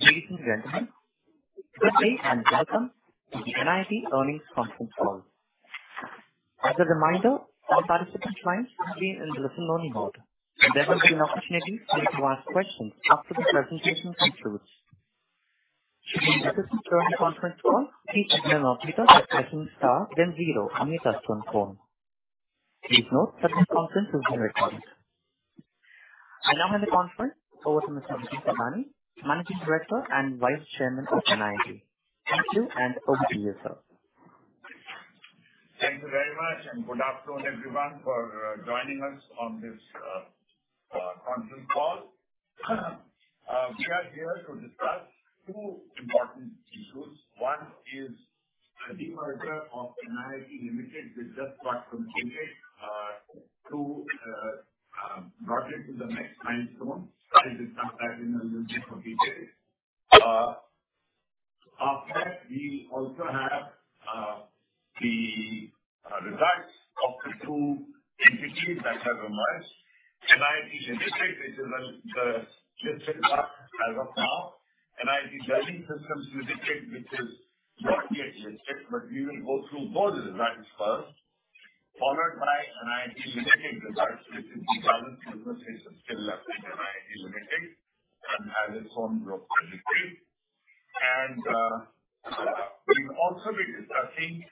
Ladies and gentlemen, good day, and welcome to the NIIT earnings conference call. As a reminder, all participant lines will be in listen-only mode. There will be an opportunity for you to ask questions after the presentation concludes. Should you wish to current conference call, please press star then zero on your touchtone phone. Please note that this conference is being recorded. I now hand the conference over to Mr. Vijay Thadani, Managing Director and Vice Chairman of NIIT. Thank you, and over to you, sir. Thank you very much, good afternoon, everyone, for joining us on this conference call. We are here to discuss two important issues. One is the demerger of NIIT Limited, which just got completed, to brought it to the next milestone, started with some time in the little details. After that, we also have the results of the two entities that have emerged, NIIT Limited, which is listed as of now, NIIT Learning Systems Limited, which is not yet listed, but we will go through both the results first, followed by NIIT Limited results, which is the current business is still NIIT Limited and has its own local limited. We'll also be discussing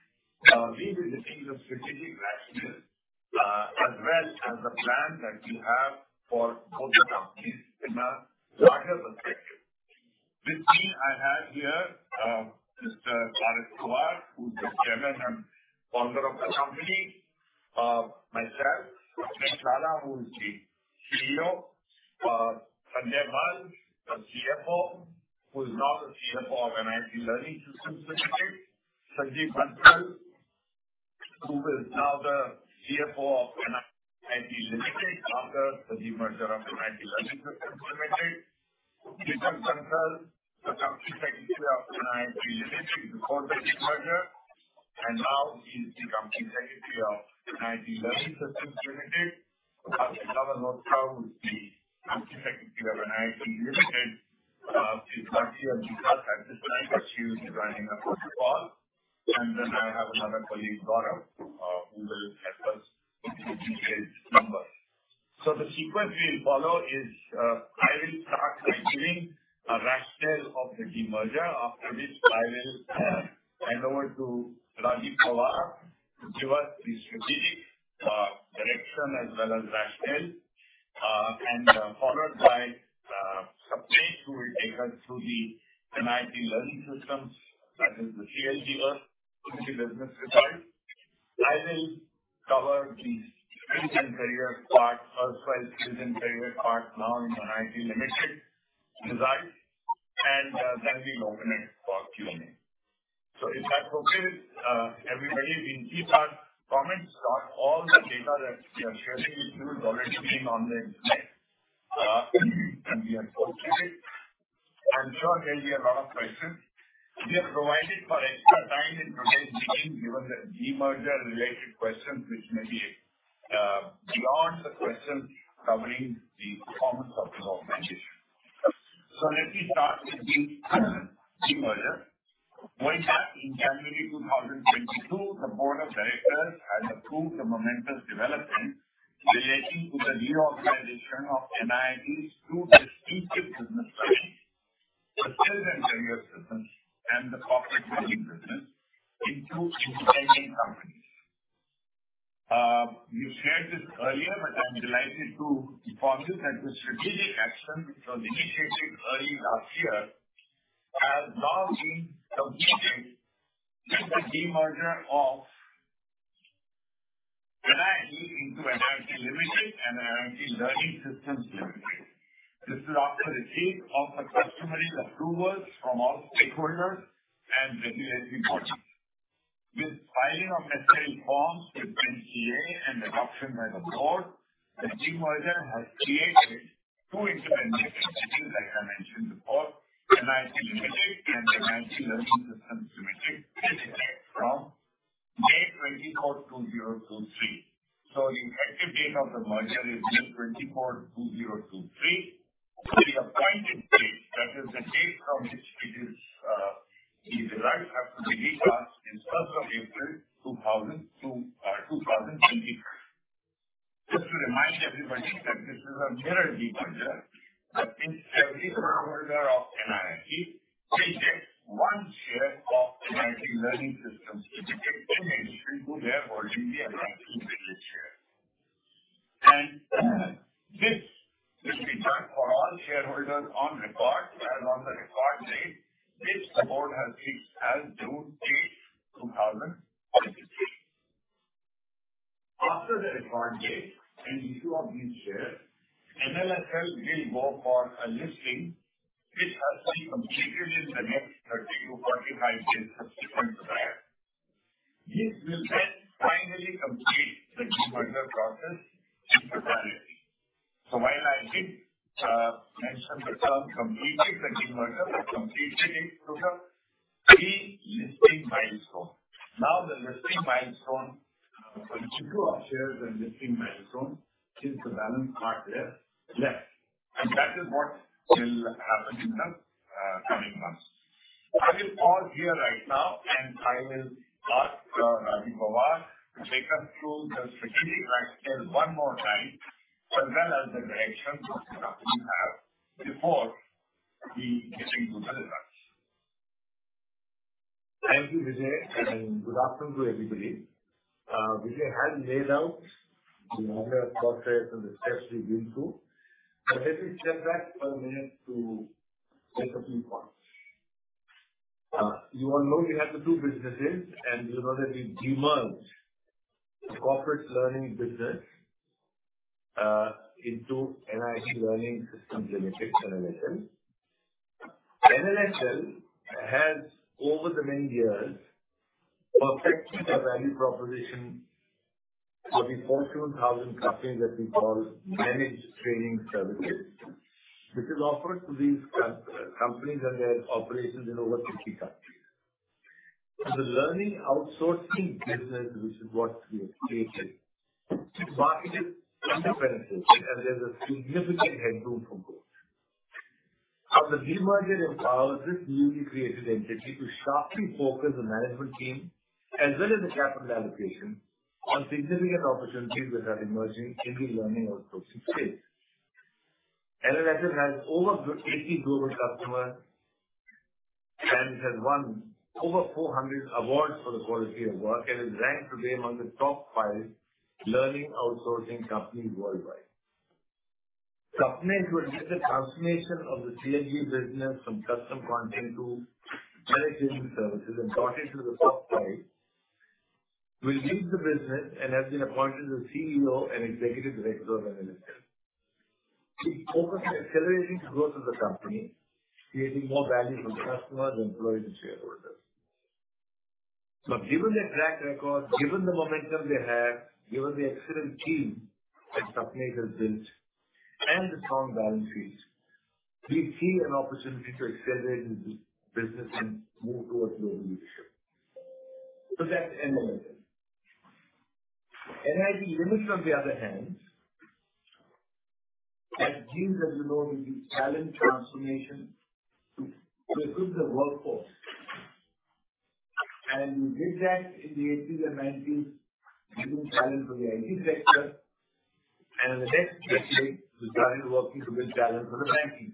revisiting the strategic rationale, as well as the plan that we have for both the companies in a larger perspective. With me, I have here, Mr. Rajendra S. Pawar, who's the Chairman and Founder of the company, myself, Sapnesh Lalla, who is the CEO, Sanjay Mal, the CFO, who is now the CFO of NIIT Learning Systems Limited. Sanjeev Bansal, who is now the CFO of NIIT Limited after the demerger of the NIIT Learning Systems Limited. Vikram Kankal, the Company Secretary of NIIT Limited before the demerger, and now he's the Company Secretary of NIIT Learning Systems Limited. Another note, the Company Secretary of NIIT Limited is not here because at this time, but she is running the call. Then I have another colleague, Gaurav, who will help us with the detailed numbers. The sequence we will follow is, I will start by giving a rationale of the demerger, after which I will hand over to Rajendra Pawar to give us the strategic direction as well as rationale, and followed by Sapnesh, who will take us through the NIIT Learning Systems, that is the L&D, to the business results. I will cover the Skills and Careers part, erstwhile Skills and Careers part, now NIIT Limited results, and then we open it for Q&A. Is that okay, everybody? We keep our comments about all the data that we are sharing with you is already been on the internet, and we are posting it. I'm sure there'll be a lot of questions. We have provided for extra time in today's meeting, given the demerger-related questions, which may be beyond the questions covering the performance of the organization. Let me start with the demerger. Way back in January 2022, the board of directors had approved a momentous development relating to the reorganization of NIIT's two distinctive business lines, the Skills and Career systems and the corporate training business, into independent companies. We shared this earlier, I'm delighted to inform you that the strategic action, which was initiated early last year, has now been completed with the demerger of NIIT into NIIT Limited and NIIT Learning Systems Limited. This is after receipt of the customary approvals from all stakeholders and regulatory bodies. With filing of necessary forms with NCLT and adoption by the board, the demerger has created two independent entities, like I mentioned before, NIIT Limited and NIIT Learning Systems Limited, with effect from May 24, 2023. The effective date of the merger is May 24, 2023. The appointed date, that is the date from which it is, the rights have to be passed is April 1, 2023. Just to remind everybody that this is a mirror demerger, that means every shareholder of NIIT gets 1 share of NIIT Learning Systems Limited distributed to their already existing shares. This will be done for all shareholders on record, as on the record date, which the board has fixed as June 8, 2023. After the record date and issue of these shares, NLSL will go for a listing, which has to be completed in the next 30-45 days of different time. This will then finally complete the demerger process in totality. While I did mention the term completed the demerger or completed in key listing milestone. The listing milestone, when you do our shares and listing milestone is the balance mark there left, and that is what will happen in the coming months. I will pause here right now, and I will ask Rajendra Pawar to take us through the strategic rationale one more time, as well as the direction we have before we get into the results. Thank you, Vijay, and good afternoon to everybody. Vijay has laid out the overall process and the steps we've been through. Let me step back a minute to get a few points. You all know we have the two businesses, you know that we demerged the corporate learning business into NIIT Learning Systems Limited, NLS. NLS has, over the many years, perfected a value proposition for the Fortune 1000 companies that we call Managed Training Services, which is offered to these companies and their operations in over 50 countries. The learning outsourcing business, which is what we have created, the market is underpenetrated, there's a significant headroom for growth. The demerger empowers this newly created entity to sharply focus the management team, as well as the capital allocation, on significant opportunities that are emerging in the learning outsourcing space. NLS has over 80 global customers. It has won over 400 awards for the quality of work and is ranked today among the top 5 learning outsourcing companies worldwide. Sapnesh Lalla, who has led the transformation of the CLG business from custom content to managed services and brought it to the top 5, will lead the business and has been appointed as the CEO and Executive Director of NLS. He's focused on accelerating growth of the company, creating more value for the customers, employees, and shareholders. Given their track record, given the momentum they have, given the excellent team that Sapnesh Lalla has built and the strong balance sheet, we see an opportunity to accelerate the business and move towards global leadership. That's NLS. NIIT Limited, on the other hand, as Jim, as you know, we do talent transformation to equip the workforce. We did that in the 80s and 90s, giving talent for the IT sector, and in the next decade, we started working to build talent for the banking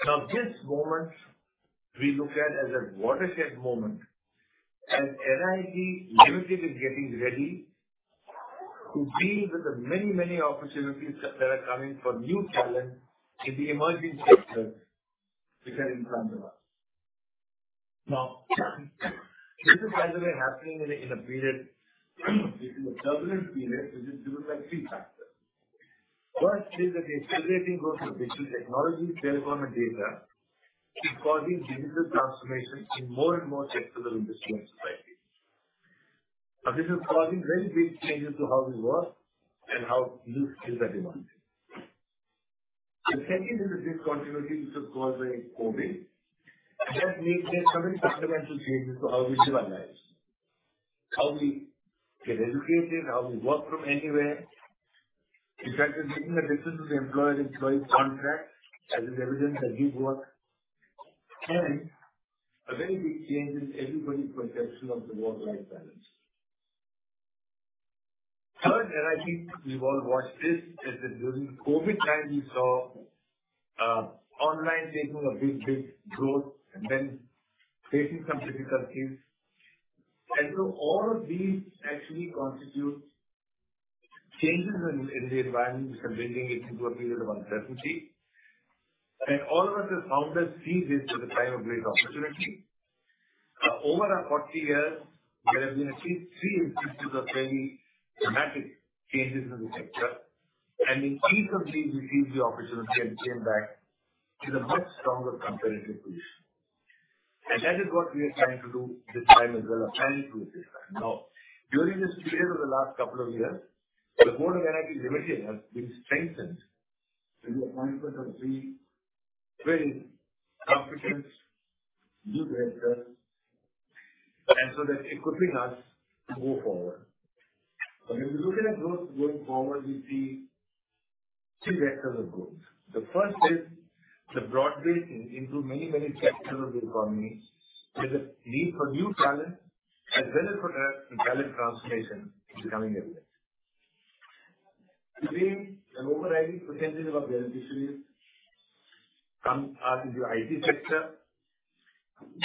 sector. This moment we look at as a watershed moment, and NIIT Limited is getting ready to deal with the many, many opportunities that are coming for new talent in the emerging sectors which are in front of us. This is, by the way, happening in a period, it is a turbulent period, which is driven by 3 factors. First is that the accelerating growth of digital technology, telecom, and data is causing digital transformation in more and more sectors of industry and society. This is causing very big changes to how we work and how new skills are demanded. The second is the discontinuity which was caused by COVID. That made many fundamental changes to how we live our lives, how we get educated, how we work from anywhere. In fact, it's making a difference to the employer-employee contract, as is evident in hybrid work, and a very big change in everybody's perception of the work-life balance. Third, and I think we've all watched this, is that during COVID time, we saw online taking a big, big growth and then facing some difficulties. All of these actually constitute changes in the environment and bringing it into a period of uncertainty. All of us have found that see this as a time of great opportunity. Over our 40 years, there have been at least three instances of very dramatic changes in the sector, and in each of these, we seized the opportunity and came back in a much stronger competitive position. That is what we are trying to do this time as well, and planning to do this time. During this period of the last couple of years, the board of NIIT Limited has been strengthened through the appointment of three very competent new directors, that's equipping us to move forward. If you're looking at growth going forward, we see two vectors of growth. The first is the broad base into many, many sectors of the economy, there's a need for new talent as well as for the talent transformation is becoming evident. Between an overriding % of our beneficiaries come out of the IT sector,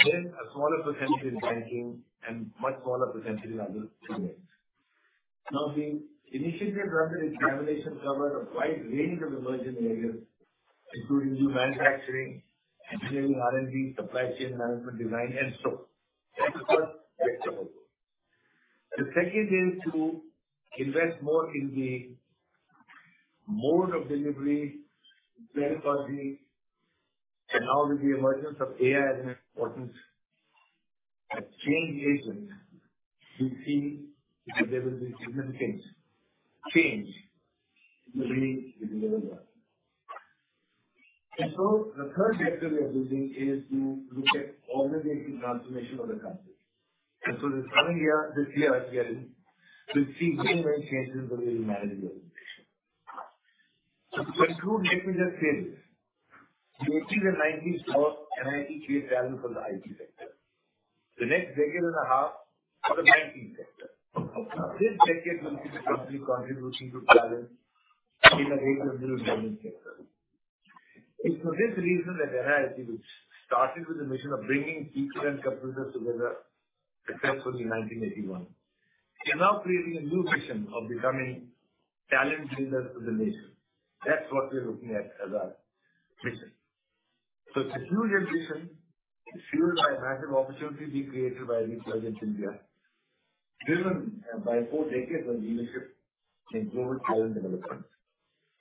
then a smaller % in banking and much smaller % in other domains. The initiative under examination cover a wide range of emerging areas, including new manufacturing, engineering, R&D, supply chain management, design, and so on. That's the first vector. The second is to invest more in the mode of delivery, pedagogy, and now with the emergence of AI as an important change agent, you see that there will be different things change the way we deliver work. The third chapter we are building is to look at organizing transformation of the country. This current year, this year we are in, we'll see many, many changes in the way we manage the organization. True, let me just say this: The 1980s and 1990s saw NIIT create talent for the IT sector. The next decade and a half for the banking sector. Now, this decade will see the country contribution to talent in the data and digital government sector. It's for this reason that NIIT, which started with the mission of bringing teachers and computers together successfully in 1981, is now creating a new vision of becoming talent builders to the nation. That's what we're looking at as our mission. It's a huge ambition. It's fueled by a massive opportunity being created by this budget in India, driven by four decades of leadership in global talent development.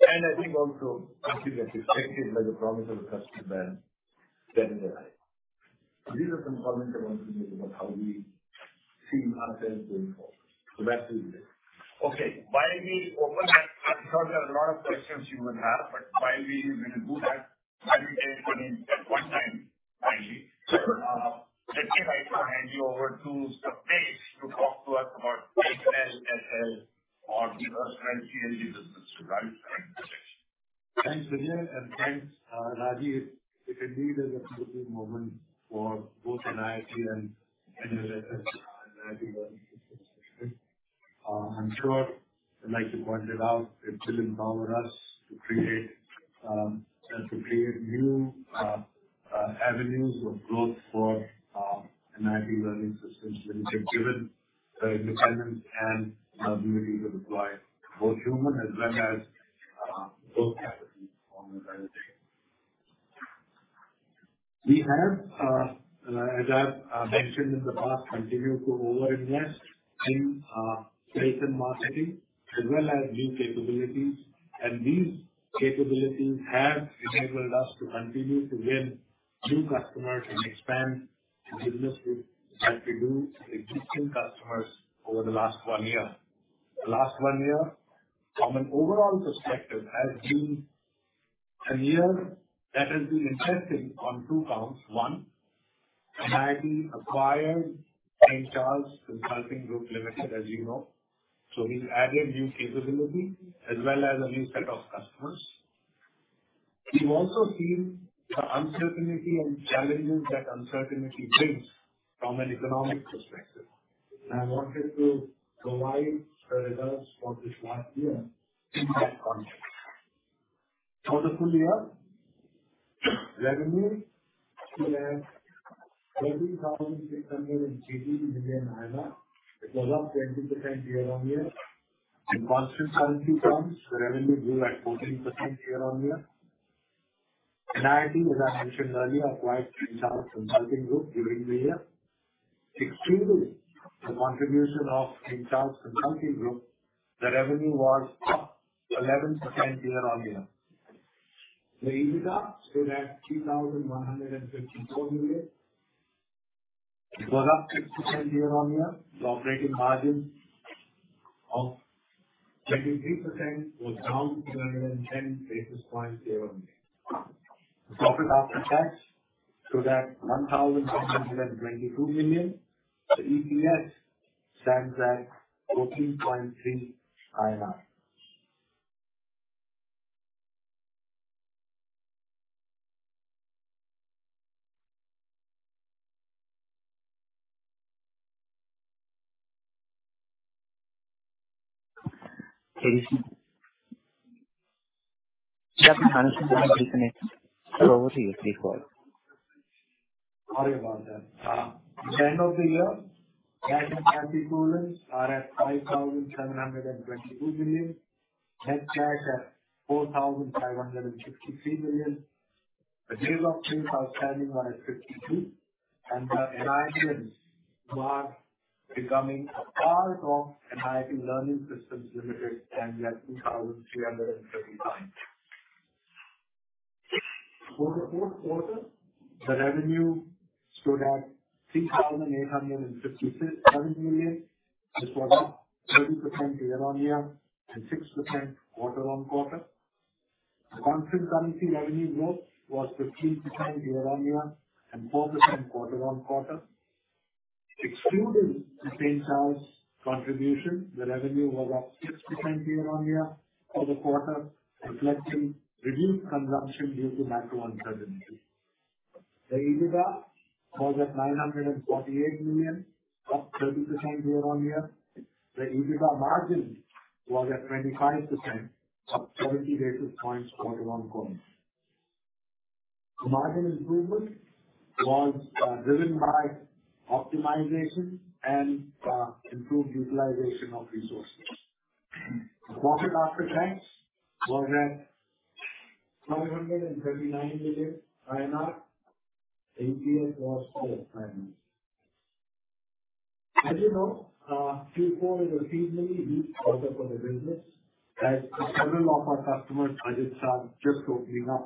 I think also significantly affected by the promise of a country man, Sanjay Mal. These are some comments I want to make about how we see ourselves going forward. Back to you, Vijay. While we open that, I'm sure there are a lot of questions you will have, but while we will do that, I will take 1 at 1 time, Rajendra. Let me now hand you over to Sapnesh to talk to us about HLSFL our business, right? Thanks, Vijay, and thanks, Rajendra. It indeed is a good moment for both NIIT and HLSF and NIIT Learning Systems. I'm sure I'd like to point it out, it will empower us to create new avenues of growth for NIIT Learning Systems, that we get given the independence and ability to deploy both human as well as both capacities on a daily. We have, as I've mentioned in the past, continued to over-invest in sales and marketing as well as new capabilities. These capabilities have enabled us to continue to win new customers and expand the business group as we do existing customers over the last 1 year. The last one year, from an overall perspective, has been a year that has been interesting on two counts. One, NIIT acquired St. Charles Consulting Group Limited, as you know. We've added new capability as well as a new set of customers. We've also seen the uncertainty and challenges that uncertainty brings from an economic perspective, and I wanted to provide the results for this last year in that context. For the full year, revenue stood at INR 30,680 million. It was up 20% year-over-year. In constant currency terms, the revenue grew at 14% year-over-year. NIIT, as I mentioned earlier, acquired St. Charles Consulting Group during the year. Excluding the contribution of St. Charles Consulting Group, the revenue was up 11% year-over-year. The EBITDA stood at 3,154 million. It was up 6% year-over-year. The operating margin of 23% was down 210 basis points year-over-year. Profit after tax stood at 1,122 million. The EPS stands at 14.3 INR. Please. Just answer the next over to you, Sapnesh. Sorry about that. At the end of the year, cash and cash equivalents are at 5,722 million, net cash at 4,563 million. The days of sales outstanding are at 52, and the NIIT marks becoming a part of NIIT Learning Systems Limited stand at 2,339. For the fourth quarter, the revenue stood at 3,856 million. This was up 30% year-over-year and 6% quarter-over-quarter. The constant currency revenue growth was 15% year-over-year and 4% quarter-over-quarter. Excluding the St. Charles contribution, the revenue was up 6% year-over-year for the quarter, reflecting reduced consumption due to macro uncertainties. The EBITDA was at 948 million, up 30% year-over-year. The EBITDA margin was at 25%, up 40 basis points quarter-on-quarter. The margin improvement was driven by optimization and improved utilization of resources. Profit after tax was at 539 million. EPS was 4.5. You know, Q4 is a seasonally weak quarter for the business as several of our customer budgets are just opening up.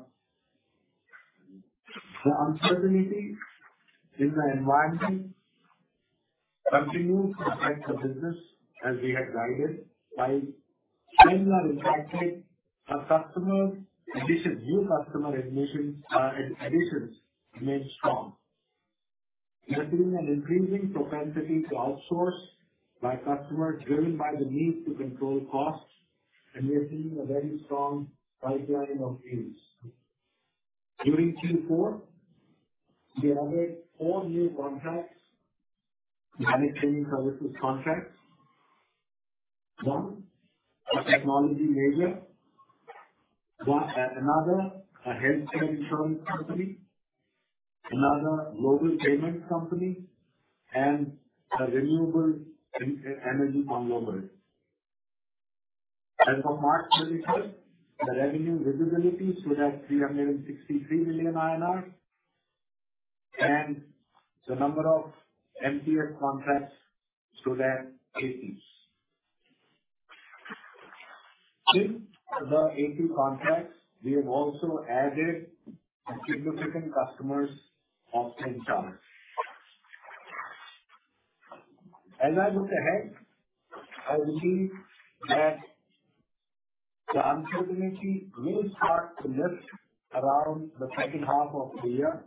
The uncertainty in the environment continues to affect the business as we had guided. While trends are impacted, our new customer admissions, additions remain strong. We are seeing an increasing propensity to outsource by customers, driven by the need to control costs, and we are seeing a very strong pipeline of deals. During Q4, we added 4 new contracts, Managed Training Services contracts. One, a technology enabler, one, another, a healthcare insurance company, another global payment company, and a renewable energy conglomerate. As of March 31st, the revenue visibility stood at 363 million INR, and the number of MTS contracts stood at 80. With the 80 contracts, we have also added significant customers of 10,000. As I look ahead, I believe that the uncertainty will start to lift around the second half of the year.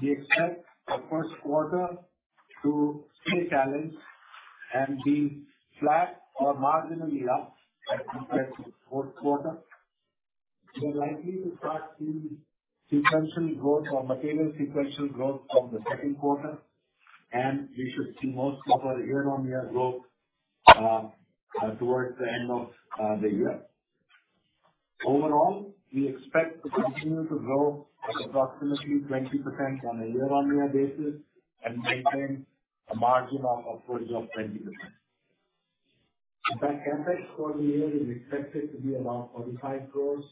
We expect the first quarter to stay challenged and be flat or marginally up as compared to fourth quarter. We are likely to start seeing sequential growth or material sequential growth from the second quarter, and we should see most of our year-on-year growth towards the end of the year. Overall, we expect to continue to grow at approximately 20% on a year-on-year basis and maintain a margin of 30% or 20%. The CapEx for the year is expected to be around 45 crores.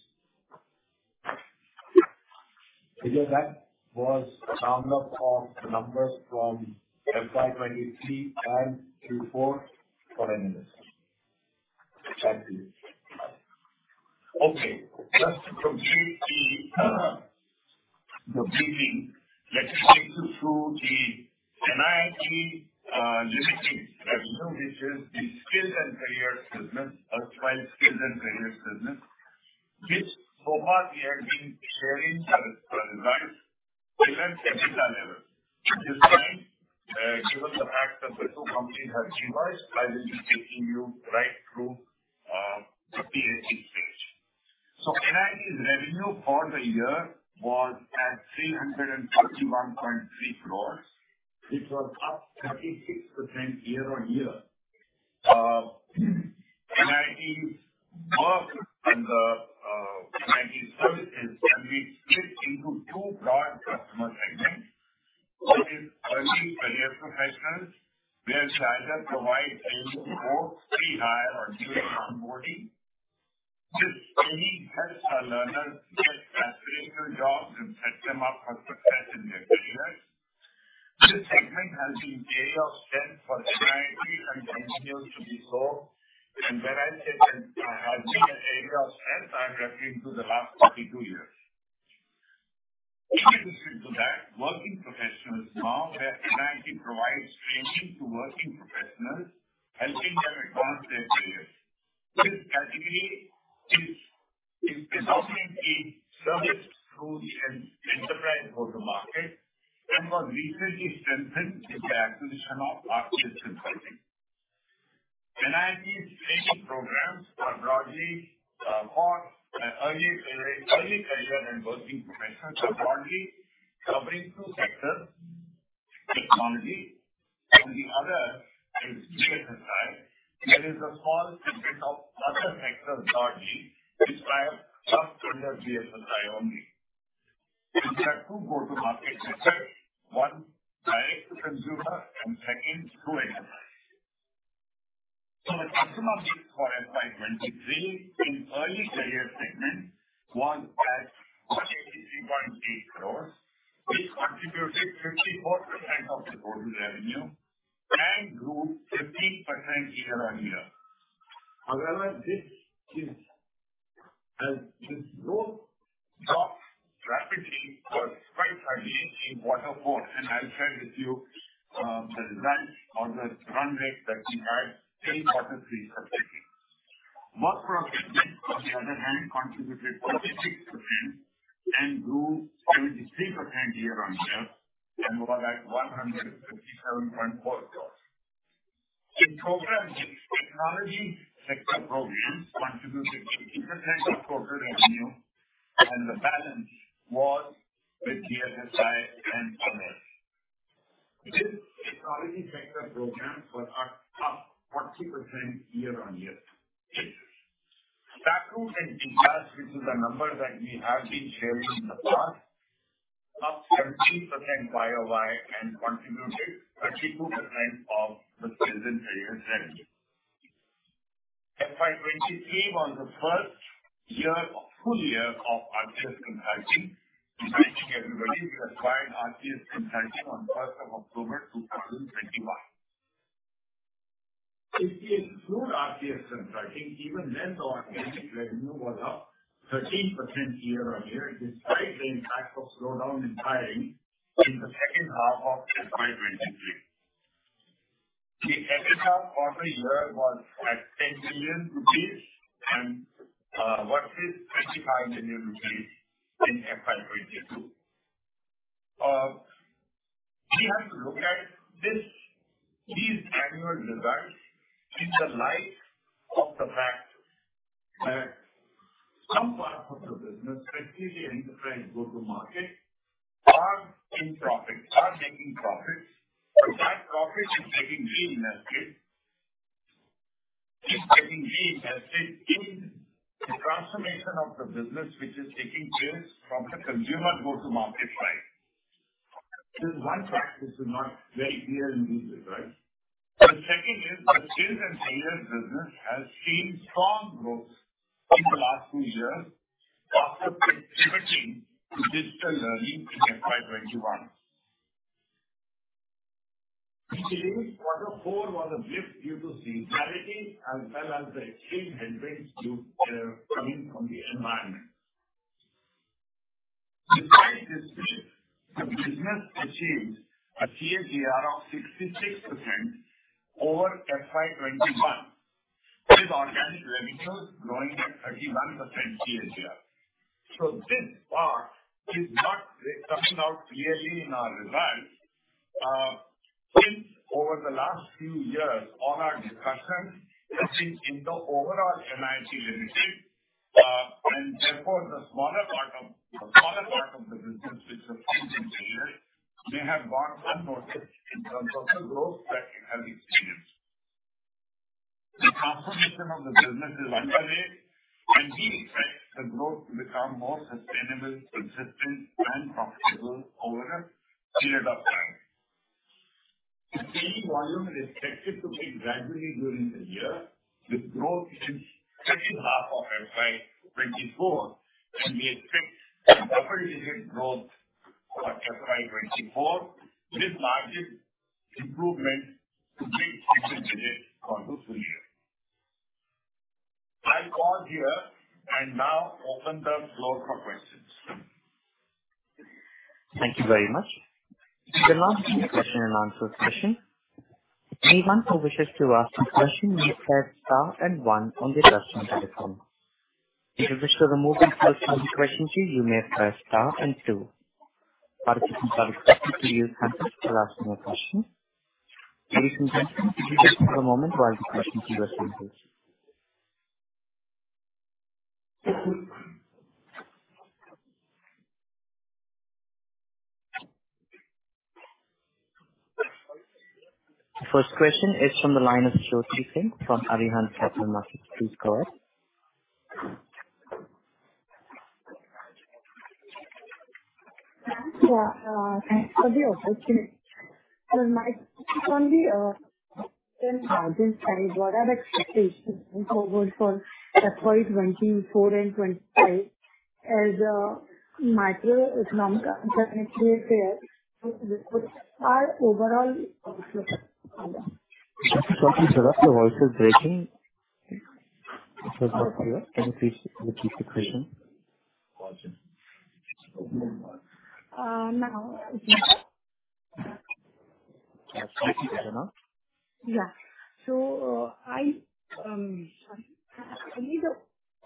Because that was summed up of numbers from FY 2023 and Q4 for an investment. Thank you. Okay, just to complete the briefing, let us take you through the NIIT Limited revenue, which is the skills and career segment, skills and career segment, which so far we have been sharing as a revised segment at a level. This time, given the fact that the two companies have merged, I will be taking you right through the P&L page. So NIIT's revenue for the year was at 331.3 crores. It was up 36% year-on-year. NIIT's work on the NIIT services can be split into 2 broad customer segments. 1 is early career professionals, where we either provide end-to-end pre-hire or junior onboarding. This training helps our learners get graduated jobs and set them up for success in their careers. This segment has been an area of strength for NIIT and continues to be so. When I say that has been an area of strength, I'm referring to the last 42 years. Additional to that, working professionals now, where NIIT provides training to working professionals, helping them advance their careers. This category is developing a service through the enterprise go-to-market and was recently strengthened with the acquisition of RPS Consulting. NIIT's training programs are broadly for early career and working professionals, are broadly covering 2 sectors: technology and the other is BFSI. There is a small segment of other sectors, broadly, which I have tucked under BFSI only. There are two go-to-market sector, one, direct to consumer, and second, through enterprise. The customer base for FY 2023 in early career segment was at 83.8 crores, which contributed 54% of the total revenue and grew 15% year-over-year. as this growth dropped rapidly for quite early in Q4, and I'll share with you the results or the run rate that we had in Q3 of 18. Work proficiency, on the other hand, contributed 46% and grew 73% year-over-year, and was at 157.4 crores. In programs, technology sector programs contributed 50% of corporate revenue, and the balance was with BFSI and other. This technology sector programs were up 40% year-over-year. StackRoute and GClass, which is a number that we have been sharing in the past, up 17% year-over-year and contributed 32% of the Skills & Careers revenue. FY 2023 was the full year of RPS Consulting. As everybody, we acquired RPS Consulting on 1st of October 2021. If you exclude RPS and I think even then the organic revenue was up 13% year-over-year, despite the impact of slowdown in hiring in the second half of FY 2023. The FSL profit here was at 10 billion rupees and what is 35 million rupees in FY 2022. We have to look at these annual results in the light of the fact that some parts of the business, especially enterprise go-to-market, are in profit, are making profits. That profit is getting reinvested in the transformation of the business, which is taking place from the consumer go-to-market side. This is one factor which is not very clear in this, right? Second, the kids and higher business has seen strong growth in the last few years after switching to digital learning in FY 2021. Q4 was a blip due to seasonality as well as the tailwinds due coming from the environment. Despite this shift, the business achieved a CAGR of 66% over FY 2021, with organic revenues growing at 31% CAGR. This part is not coming out clearly in our results since over the last few years on our discussion, it is in the overall NIIT Limited. The smaller part of the business, which is may have gone unnoticed in terms of the growth that we have experienced. The transformation of the business is underway, and we expect the growth to become more sustainable, consistent, and profitable over a period of time. The volume is expected to pick gradually during the year, with growth in second half of FY 2024, and we expect double-digit growth for FY 2024, with margin improvement to mid-single digits for the full year. I call here and now open the floor for questions. Thank you very much. We will now begin the question and answer session. Anyone who wishes to ask a question may press star 1 on their touchtone telephone. If you wish to remove yourself from the question queue, you may press star 2. Participants are expected to use star to ask more questions. Please hold for a moment while the questions are being placed. First question is from the line of Jyoti Singh from Arihant Capital Markets. Please go ahead. Yeah, thanks for the opportunity. My only, what are the expectations going forward for FY 2024 and 2025, as macroeconomic uncertainty? Can you talk a little louder? The voice is breaking. Can you please repeat the question? Now. That's better now. I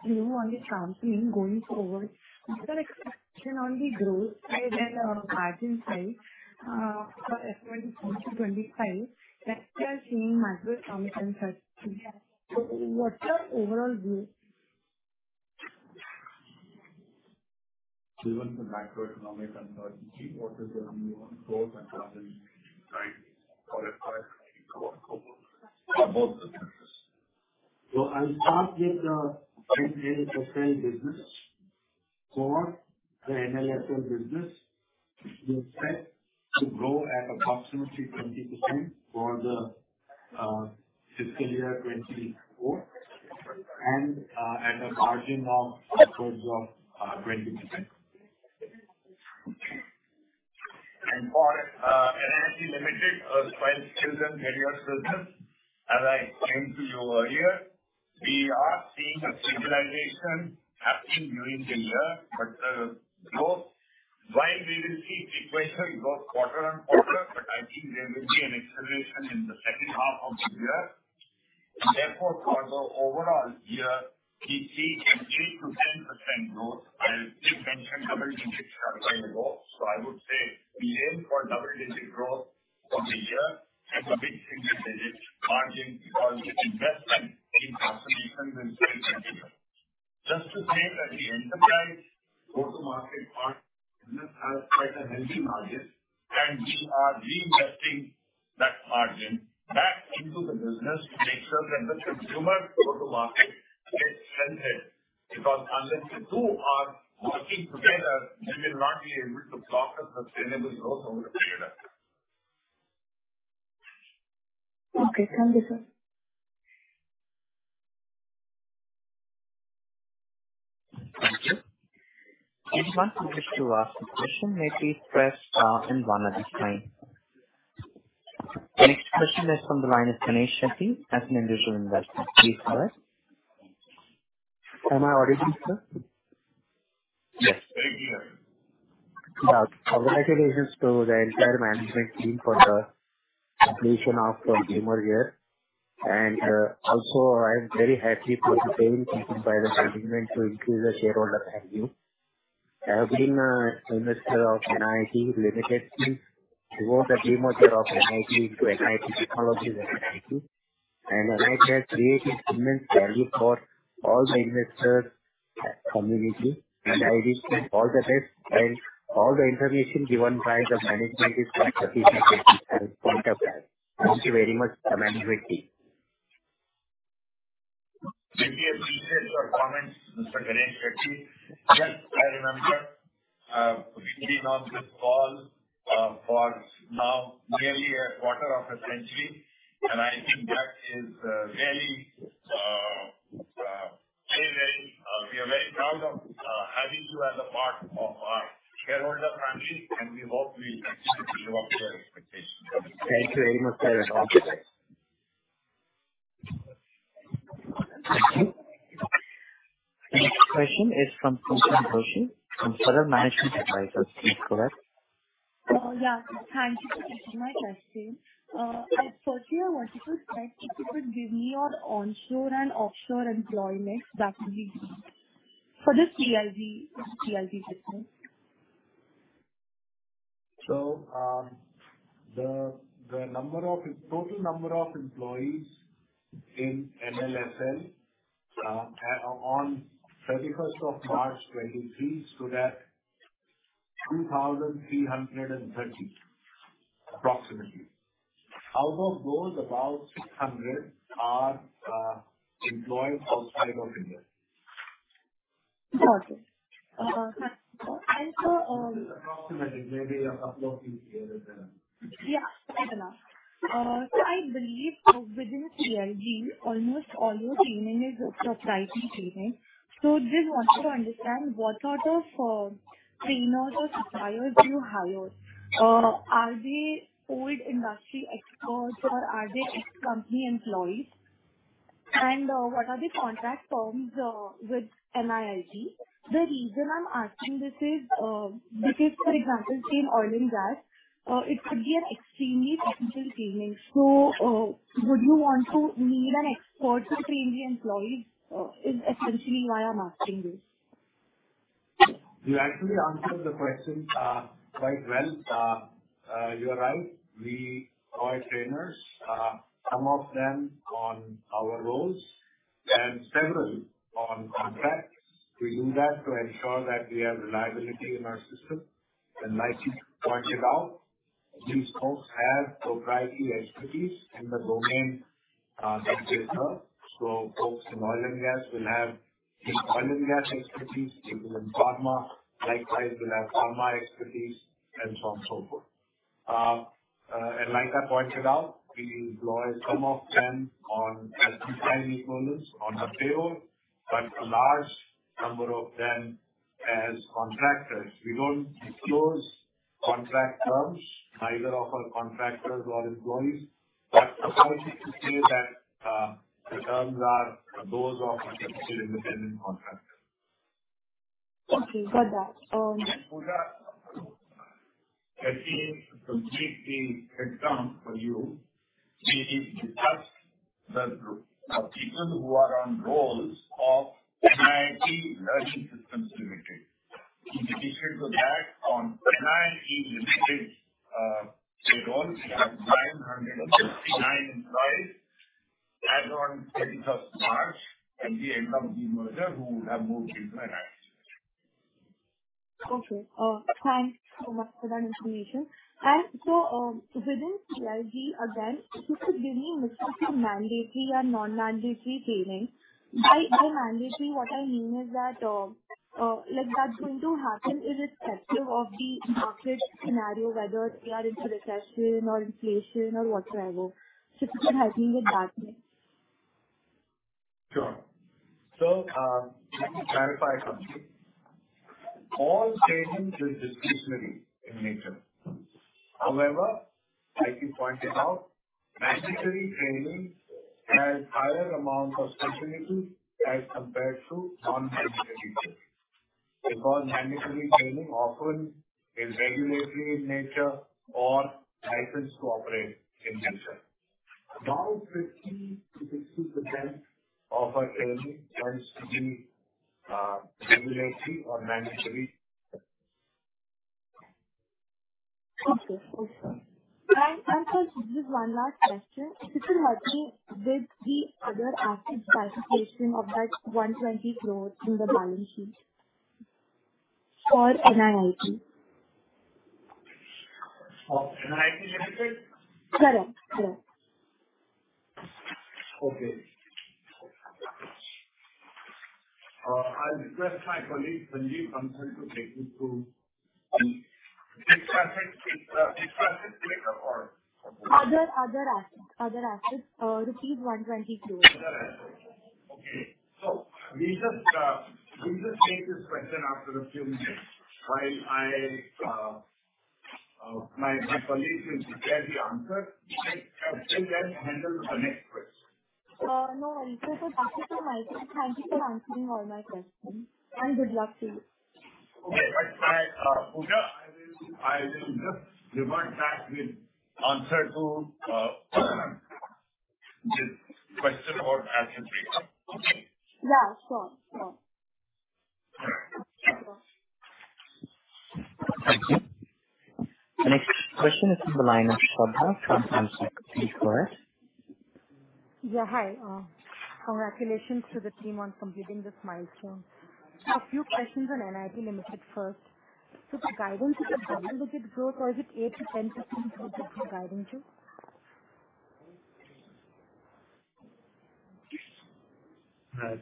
view on the champion going forward. Is there expectation on the growth side and on the margin side, for FY 2024-2025, that we are seeing macroeconomic uncertainty? What's your overall view? Given the macroeconomic uncertainty, what is the view on growth and margin for FY 2024, for both the businesses? I'll start with the ITL business. For the NLSL business, we're set to grow at approximately 20% for the fiscal year 2024, at a margin of upwards of 20%. For NIIT Limited, the kids and careers business, as I explained to you earlier, we are seeing a stabilization happening during the year. Growth, while we will see sequential growth quarter on quarter, but I think there will be an acceleration in the second half of the year. Therefore, for the overall year, we see a 3%-10% growth. I did mention double digits earlier on, I would say we aim for double-digit growth for the year and a mid-single digit margin, because the investment in customer experience will continue. Just to say that the enterprise go-to-market part has quite a healthy margin, and we are reinvesting that margin back into the business to make sure that the consumer go-to-market gets strengthened. Unless the two are working together, we will not be able to clock a sustainable growth over the period. Okay, thank you, sir. If you want to ask a question, maybe press star 1 at this time. The next question is from the line of Ganesh Shetty as an Individual Investor. Please go ahead. Am I audible, sir? Yes. Yeah. Congratulations to the entire management team for the completion of the merger, and also I'm very happy for the team taken by the management to increase the shareholder value. I've been a investor of NIIT Limited since before the demerger of NIIT into NIIT Technologies Limited, and NIIT has created immense value for all the investor community, and I wish you all the best and all the information given by the management is and point of that. Thank you very much, management team. Thank you for your comments, Mr. Ganesh Shetty. Yes, I remember, we've been on this call for now nearly a quarter of a century, and I think that is very, very. We are very proud of having you as a part of our shareholder family, and we hope we continue to live up to your expectations. Thank you very much, sir. Thank you. The next question is from Pooja Doshi, from Federal Management Advisors. Please go ahead. Yeah, thank you for taking my question. Firstly, I wanted to ask if you could give me your onshore and offshore employment breakdown for this CIG business. The total number of employees in MLSL on 31st of March 2023, stood at 2,330, approximately. Out of those, about 600 are employed outside of India. Got it. Thank you. Approximately, maybe a couple of few here than that. Yeah, fair enough. I believe within CIG, almost all your training is proprietary training. Just wanted to understand, what sort of trainers or suppliers do you hire? Are they old industry experts or are they ex-company employees? What are the contract terms with NIIT? The reason I'm asking this is because, for example, say, in oil and gas, it could be an extremely technical training. Would you want to need an expert to train the employees? Is essentially why I'm asking this. You actually answered the question quite well. You are right. We employ trainers, some of them on our rolls and several on contract. We do that to ensure that we have reliability in our system. Like you pointed out, these folks have proprietary expertise in the domain that they serve. Folks in oil and gas will have the oil and gas expertise. People in pharma, likewise, will have pharma expertise and so on, so forth. Like I pointed out, we employ some of them on as full-time employees on the payroll, but a large number of them as contractors. We don't disclose contract terms, neither of our contractors or employees, but I'm happy to say that the terms are those of independent contractors. Okay, got that. Pooja, let me complete the example for you. We need to touch the group of people who are on rolls of NIIT Learning Systems Limited. In addition to that, on NIIT Limited, payroll, we have 959 employees as on 31st March, at the end of the merger, who would have moved into NIIT. Okay. Thanks so much for that information. Within CIG again, if you could give me maybe some mandatory and non-mandatory training. By mandatory, what I mean is that, like that's going to happen irrespective of the market scenario, whether we are into recession or inflation or whatever. If you could help me with that, please. Sure. Let me clarify something. All training is discretionary in nature. However, like you pointed out, mandatory training has higher amount of specialty as compared to non-mandatory training. Mandatory training often is regulatory in nature or license to operate in nature. About 50%-60% of our training wants to be regulatory or mandatory. Okay. Okay. Sir, just one last question. If you could help me with the other active participation of that 120 crores in the balance sheet for NIIT? Of NIIT Limited? Correct. Correct. Okay. I'll request my colleague, Sanjeev Bansal, to take you through.... discussion pick up or? Other assets, rupees 122. Other assets. Okay. We'll just take this question after a few minutes while I, my colleagues will get the answer. Let them handle the next question. No, sir. Thank you so much, and thank you for answering all my questions, and good luck to you. Okay, Pooja, I will just revert back with answer to this question about asset pickup. Okay? Yeah, sure. Sure. Thank you. The next question is from the line of Subha from Bank of America. Yeah, hi. Congratulations to the team on completing this milestone. A few questions on NIIT Limited first. The guidance you said, will it grow, or is it 8%-10% growth that you're guiding to? Right.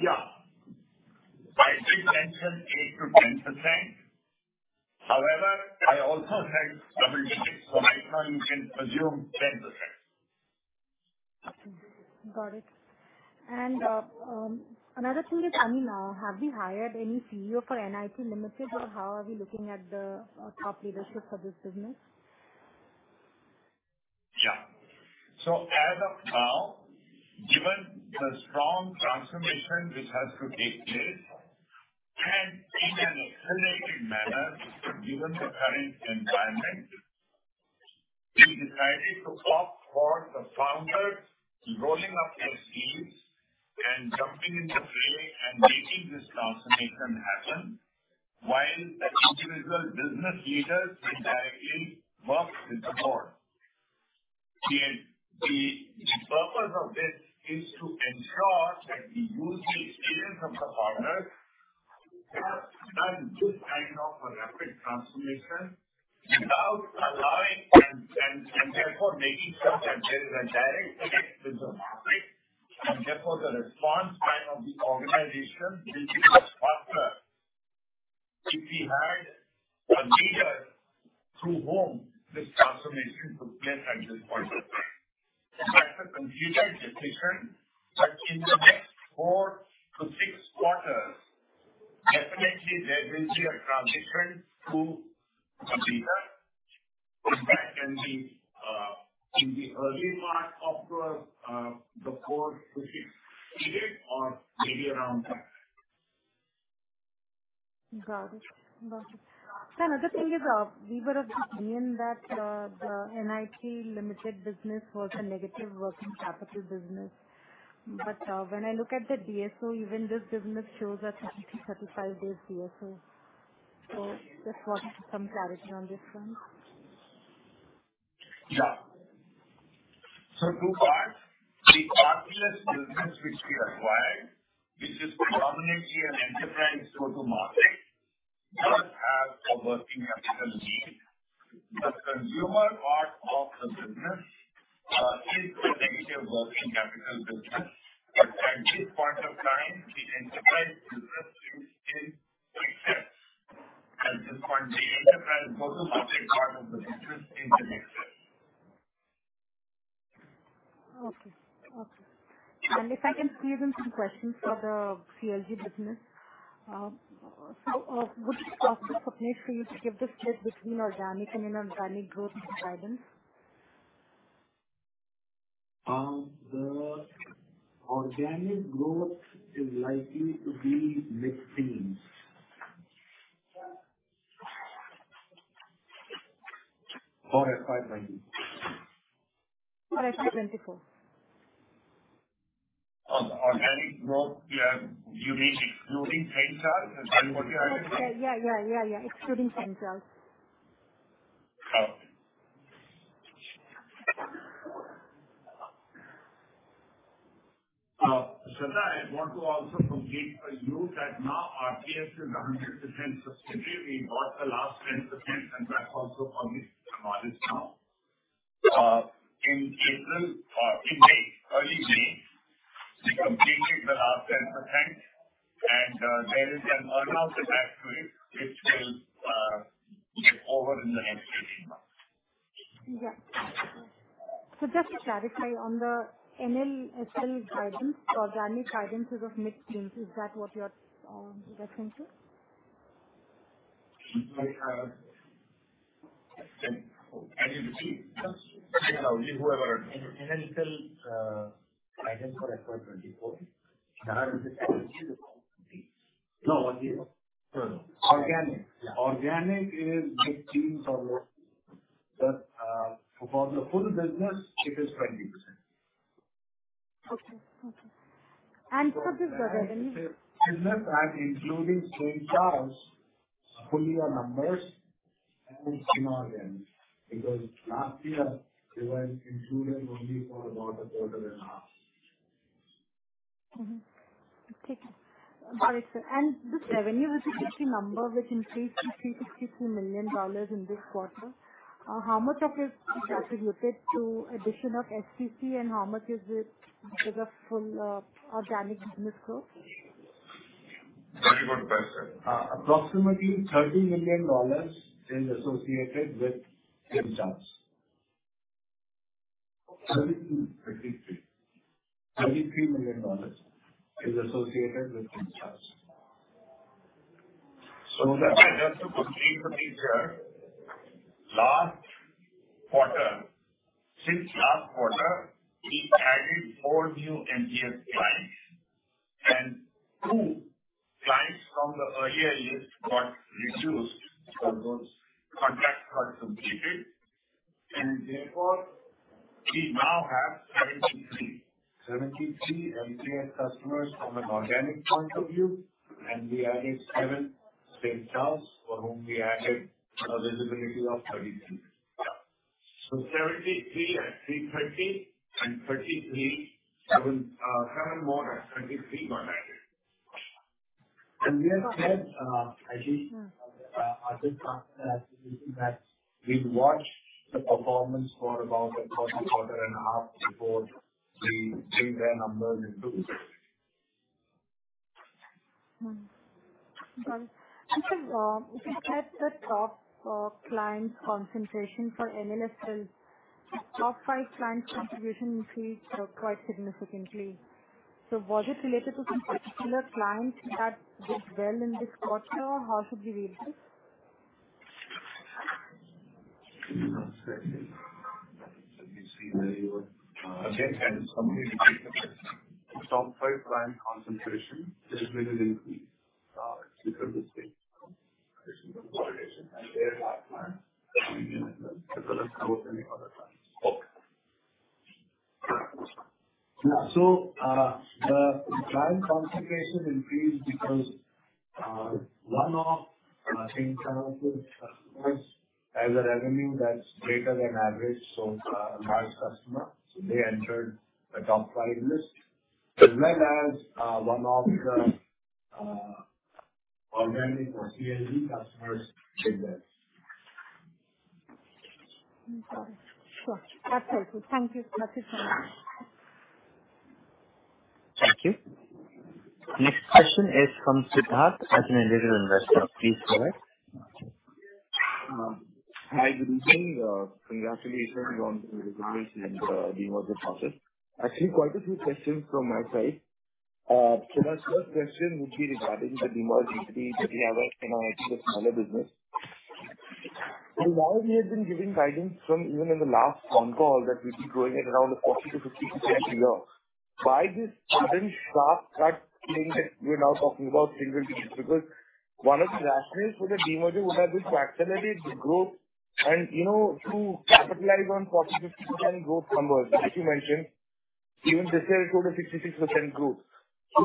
Yeah. I did mention 8%-10%. However, I also said double digits, so right now you can assume 10%. Okay, got it. Another thing is, I mean, have you hired any CEO for NIIT Limited, or how are we looking at the top leadership for this business? Yeah. As of now, given the strong transformation which has to take place, and in an accelerated manner, given the current environment, we decided to opt for the founders rolling up their sleeves and jumping into the play and making this transformation happen, while the individual business leaders directly work with the board. The purpose of this is to ensure that we use the experience of the founders, who have done this kind of a rapid transformation, without allowing and therefore making sure that there is a direct connect with the market, and therefore the response time of the organization will be much faster if we had a leader through whom this transformation took place at this point of time. That's a completed definition, but in the next four-six quarters, definitely there will be a transition to a leader. That can be in the early part of the 4-6 period or maybe around that time. Got it. Got it. Another thing is, we were of the opinion that the NIIT Limited business was a negative working capital business. When I look at the DSO, even this business shows a 30-35 days DSO. Just want some clarity on this one. Yeah. Two parts, the populace business which we acquired, which is predominantly an enterprise go-to-market, does have a working capital need. The consumer part of the business, is a negative working capital business, but at this point of time, the enterprise business is in excess. At this point, the enterprise go-to-market part of the business is in excess. Okay. Okay. If I can squeeze in some questions for the CLG business. Could you give the split between organic and inorganic growth guidance? The organic growth is likely to be mid-teens. For FY 2024. For FY 2024. Of organic growth, yeah, you mean excluding sales charge? Is that what you're asking? Yeah, yeah, yeah, excluding sales charge. Shubha, I want to also complete for you that now our PS is a 100% subsidiary. We bought the last 10%, and that also on this model now. In April, in May, early May, we completed the last 10%, and there is an earn-out attached to it, which will be over in the next 18 months. Yeah. Just to clarify, on the NLSL guidance, organic guidance is of mid-teens, is that what you are referring to? As you can see. NLSL, guidance for FY 2024, 9%. No, organic. Organic is mid-teens or low. For the full business, it is 20%. Okay, okay. for this- Business as including same charge, full year numbers, and it's inorganic, because last year they were included only for about a quarter and a half. Okay, got it, sir. This revenue recognition number, which increased to $362 million in this quarter, how much of it is allocated to addition of SCC, and how much is it because of full, organic business growth? Very good question. Approximately $30 million is associated with St. Charles. $33 million is associated with St. Charles. Just to complete the picture, since last quarter, we added 4 new MTS clients, and 2 clients from the earlier list got reduced because those contracts got completed, and therefore we now have 73. 73 MTS customers from an organic point of view, and we added 7 St. Charles for whom we added a visibility of 33. 73 at 330 and 33, 7 more at 23 were added. We have said, Ajit, that we've watched the performance for about a quarter and a half before we bring their numbers into this. Okay. If you, if you check the top clients concentration for MLSL, top five clients contribution increased quite significantly. Was it related to some particular client that did well in this quarter, or how should we read this? Let me see where you are. Okay. Top 5 client concentration, there is little increase, because this way as well as any other time. The client concentration increased because, one of 10 customers has a revenue that's greater than average, so, large customer, so they entered the top 5 list, as well as, one of the organic or CLG customers did that. Okay, sure. That's okay. Thank you so much. Thank you. Next question is from Siddharth at Individual Investor. Please go ahead. Hi, good evening. Congratulations on the results in the demerger process. Actually, quite a few questions from my side. My first question would be regarding the demerger that we have a smaller business. Now we have been giving guidance from even in the last phone call, that we'll be growing at around 40%-50% year. Why this sudden sharp cut saying that you're now talking about single-digits? One of the rationales for the demerger would have been to accelerate the growth and, you know, to capitalize on 40%, 50% growth numbers. As you mentioned, even this year it showed a 66% growth.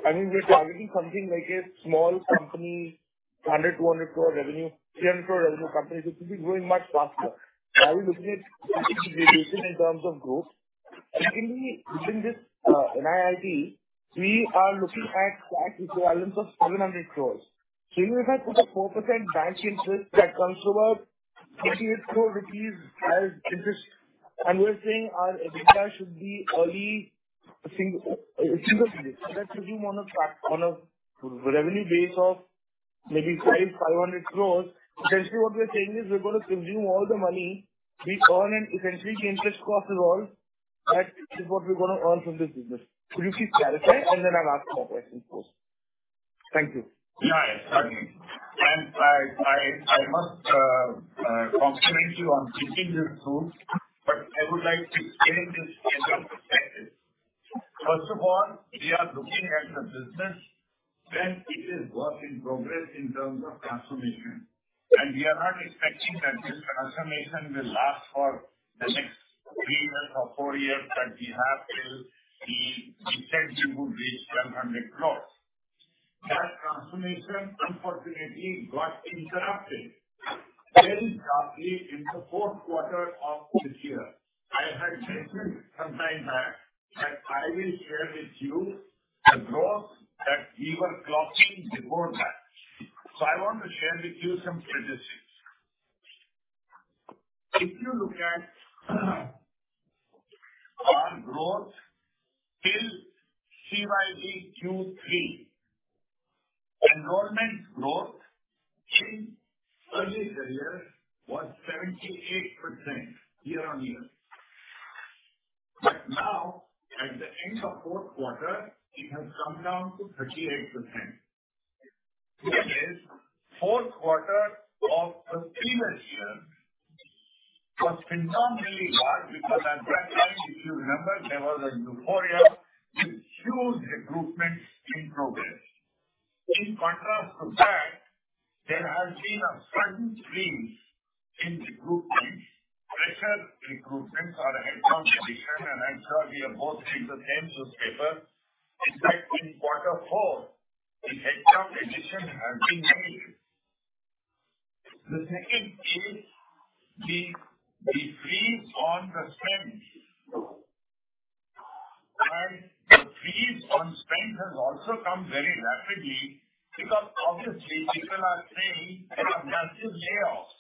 I mean, we're targeting something like a small company, 100 crore, 200 crore revenue, 300 crore revenue companies, which will be growing much faster. Are we looking at significant deviation in terms of growth? Can we, within this NIIT, we are looking at cash equivalents of 700 crores. Even if I put a 4% bank interest, that comes to about 58 crores rupees as interest, and we're saying our EBITDA should be early single digits. That's consuming on a revenue base of maybe 500 crores. Essentially, what we're saying is we're going to consume all the money we earn, and essentially, the interest cost is all that is what we're going to earn from this business. Could you please clarify, and then I'll ask more questions, please. Thank you. Yeah, certainly. I must compliment you on seeking this route, but I would like to give you some perspective. First of all, we are looking at the business when it is work in progress in terms of transformation, and we are not expecting that this transformation will last for the next 3 years or 4 years, that we have till we said we would reach 1,200 crores. That transformation, unfortunately, got interrupted very sharply in the 4th quarter of this year. I had mentioned some time back that I will share with you the growth that we were clocking before that. I want to share with you some statistics. If you look at our growth till CYQ3, enrollment growth in earlier years was 78% year-on-year. Now, at the end of fourth quarter, it has come down to 38%, which is fourth quarter of the previous year, was phenomenally large, because at that time, if you remember, there was a euphoria with huge recruitment in progress. In contrast to that, there has been a sudden freeze in recruitment, fresher recruitment or headcount addition, and I'm sure we have both read the same newspaper, is that in quarter four, the headcount addition has been made. The second is the freeze on the spend. The freeze on spend has also come very rapidly because obviously people are saying there are massive layoffs.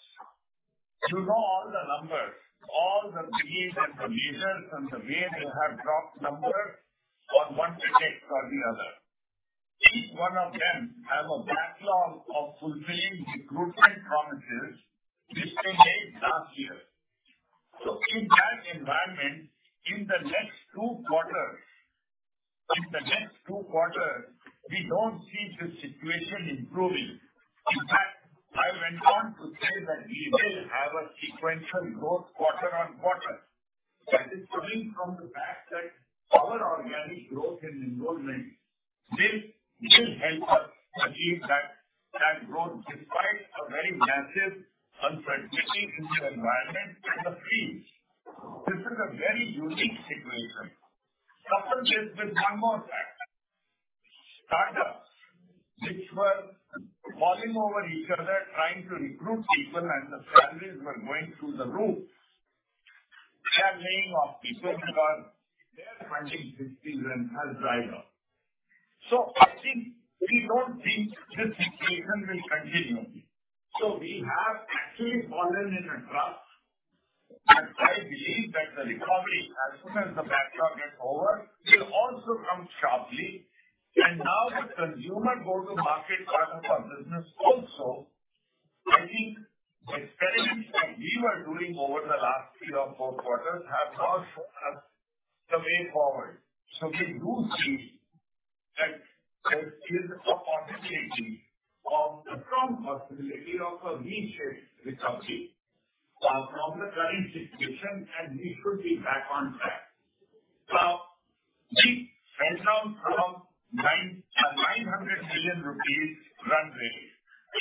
You know, see it from the results and the way they have dropped numbers on one to take or the other. Each one of them have a backlog of fulfilling recruitment promises which they made last year. In that environment, in the next two quarters, we don't see the situation improving. In fact, I went on to say that we will have a sequential growth quarter-on-quarter. That is coming from the fact that our organic growth in enrollment will help us achieve that growth despite a very massive unpredictability in the environment in the field. This is a very unique situation, coupled with one more fact. Startups which were falling over each other, trying to recruit people, and the salaries were going through the roof, they are laying off people because their funding discipline has dried up. I think we don't think this situation will continue. We have actually fallen in a trough, and I believe that the recovery, as soon as the backlog gets over, will also come sharply. Now the consumer go-to-market part of our business also, I think the experiments that we were doing over the last three or four quarters have now shown us the way forward. We do see that there is a possibility of a V-shaped recovery from the current situation, and we should be back on track. Now, we went down from 900 million rupees run rate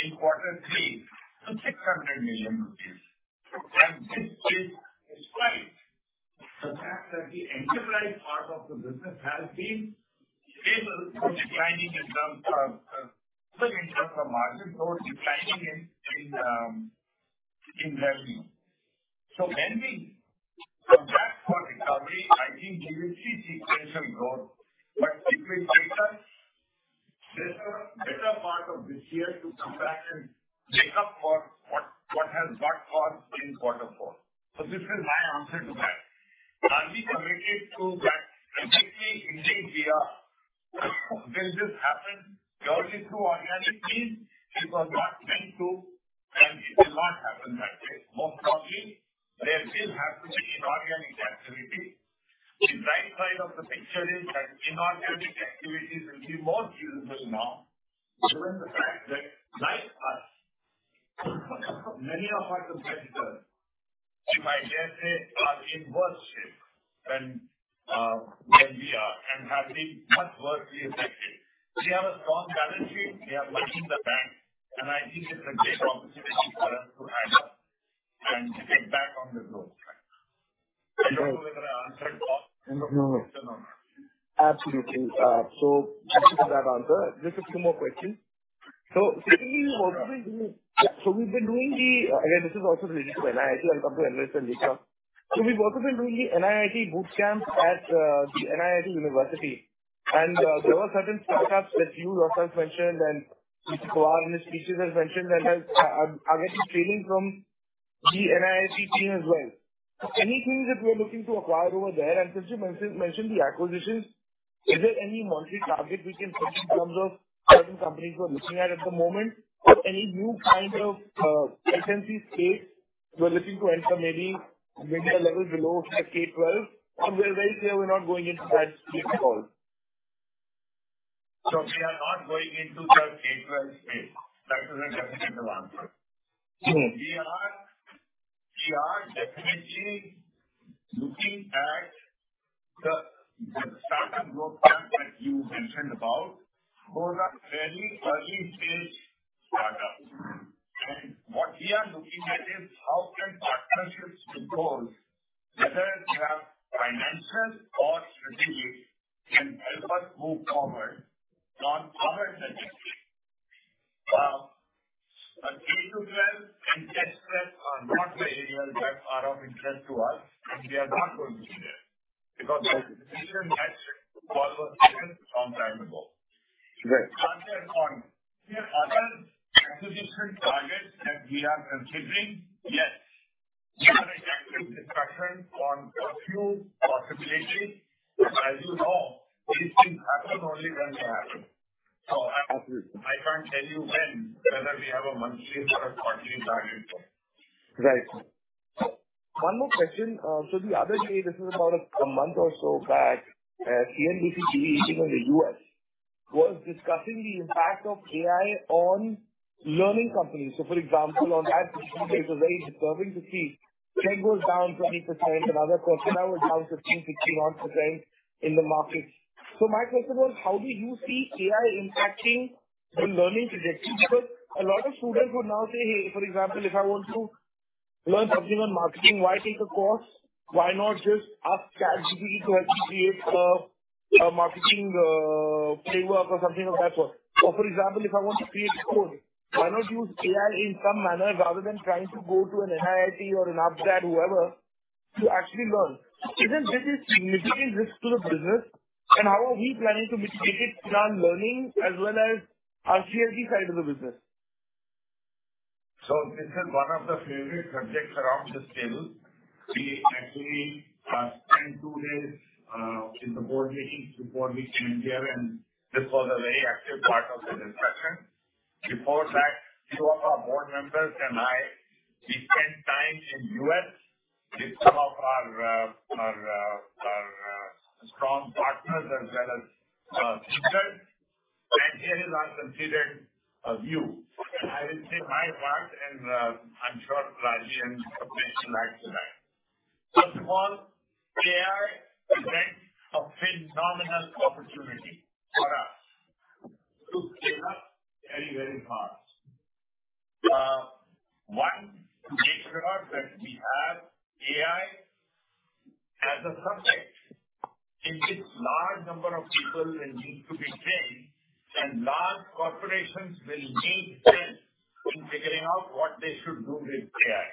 in quarter three to 600 million rupees, and this is despite the fact that the enterprise part of the business has been stable but declining in terms of margin, so declining in revenue. When we come back for recovery, I think you will see sequential growth, but it will take us better part of this year to come back and make up for what has got lost in quarter four. This is my answer to that. Are we committed to that? Technically, indeed, we are. Will this happen purely through organic means? It was not meant to, and it will not happen that way. Most probably, there still has to be inorganic activity. The bright side of the picture is that inorganic activities will be more usable now, given the fact that, like us, many of our competitors, if I dare say, are in worse shape than we are and have been much worse affected. We have a strong balance sheet. We are working the bank, and I think it's a great opportunity for us to add up and get back on the road. I don't know whether I answered your question or not. No, absolutely. So thank you for that answer. Just a few more questions. Secondly, we've been doing the, again, this is also related to NIIT, I'll come to NIIT later. We've also been doing the NIIT boot camps at the NIIT University. There were certain startups that you yourself mentioned and Mr. Pawar in his speeches has mentioned, and I'm getting training from the NIIT team as well. Any things that we are looking to acquire over there? Since you mentioned the acquisitions, is there any monthly target we can set in terms of certain companies we're looking at at the moment? Or any new kind of agency space we're looking to enter, maybe a level below the K-12, or we're very clear we're not going into that space at all? We are not going into that K-12 space. That is a definitive answer. Mm-hmm. We are definitely looking at the startup roadmap that you mentioned about, those are very early stage startups. What we are looking at is how can partnerships with those, whether they are financial or strategic, can help us move forward on other sectors. K-12 and test prep are not the areas that are of interest to us, and we are not going to be there because the decision has been made some time ago. Right. On the other acquisition targets that we are considering, yes. Yes. We are in active discussion on a few possibilities, but as you know, these things happen only when they happen. Absolutely. I can't tell you when, whether we have a monthly or a quarterly target. Right. One more question. The other day, this is about a month or so back, CNBC-TV18 in the U.S. was discussing the impact of AI on learning companies. For example, on that day, it was very disturbing to see Chegg down 20% and other companies down 15%, 16% odd percent in the market. My question was: How do you see AI impacting the learning trajectory? Because a lot of students would now say, "Hey, for example, if I want to learn something on marketing, why take a course? Why not just ask ChatGPT to help me create a marketing framework or something of that sort?" Or, for example, if I want to create code, why not use AI in some manner rather than trying to go to an NIIT or an upGrad, whoever, to actually learn? Isn't this a significant risk to the business? How are we planning to mitigate it in our learning as well as our CLG side of the business?... This is one of the favorite subjects around this table. We actually spent 2 days in the board meetings before we came here, and this was a very active part of the discussion. Before that, 2 of our board members and I, we spent time in U.S. with some of our, our, strong partners as well as teachers, and here is our considered view. I will say my part, and I'm sure Raji and Pramesh will add to that. First of all, AI presents a phenomenal opportunity for us to scale up very, very fast. 1, it's regardless, we have AI as a subject in which large number of people will need to be trained, and large corporations will need this in figuring out what they should do with AI.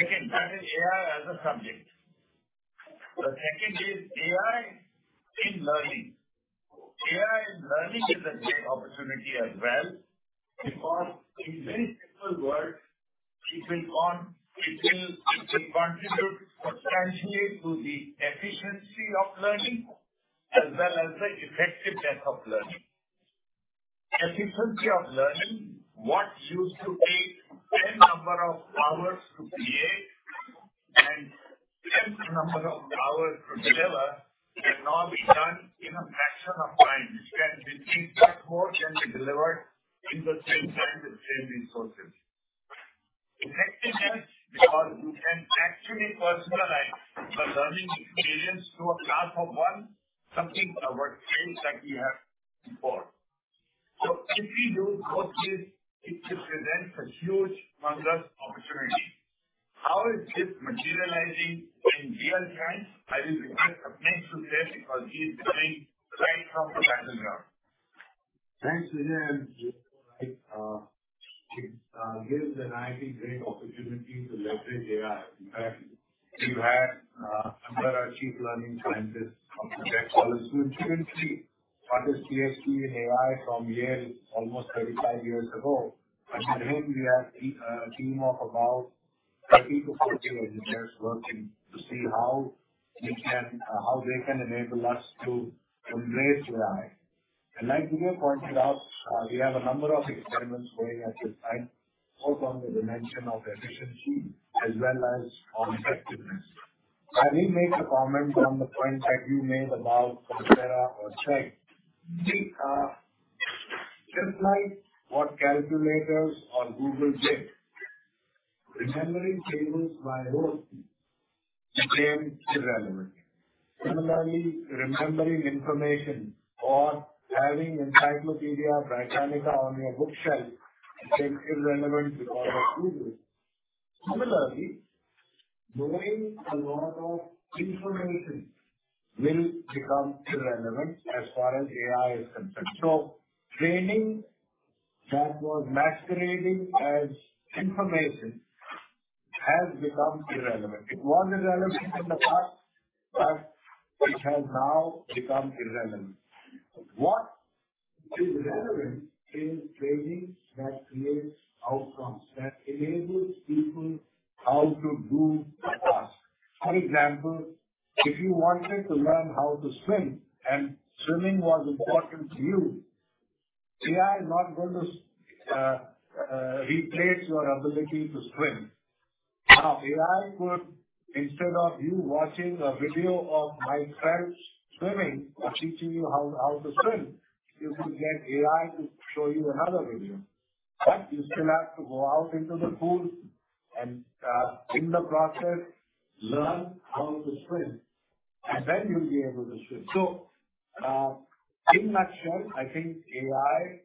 Second, that is AI as a subject. The second is AI in learning. AI in learning is a great opportunity as well, because in very simple words, it will contribute substantially to the efficiency of learning as well as the effectiveness of learning. Efficiency of learning, what used to take 10 number of hours to create and 10 number of hours to deliver, can now be done in a fraction of time, which can be teach more and delivered in the same time with same resources. Effectiveness, because we can actually personalize the learning experience to a class of 1, something what seems like we have before. If we do both this, it represents a huge, wondrous opportunity. How is this materializing in real time? I will request Sapnesh to say, because he's coming right from the battleground. Thanks, Vijay. It gives the NIIT great opportunity to leverage AI. In fact, we have where our chief learning scientist from that college, who actually got his PhD in AI from Yale almost 35 years ago. Under him, we have a team of about 30 to 40 engineers working to see how we can how they can enable us to embrace AI. Like Vijay pointed out, we have a number of experiments going at this time, both on the dimension of efficiency as well as on effectiveness. I will make a comment on the point that you made about Coursera or Chegg. We just like what calculators or Google did, remembering tables by rote became irrelevant. Remembering information or having Encyclopedia Britannica on your bookshelf became irrelevant because of Google. Knowing a lot of information will become irrelevant as far as AI is concerned. Training that was masquerading as information has become irrelevant. It was irrelevant in the past, it has now become irrelevant. What is relevant is training that creates outcomes, that enables people how to do the task. For example, if you wanted to learn how to swim and swimming was important to you, AI is not going to replace your ability to swim. AI could, instead of you watching a video of my friends swimming or teaching you how to swim, you could get AI to show you another video. You still have to go out into the pool and in the process, learn how to swim, and then you'll be able to swim. In nutshell, I think AI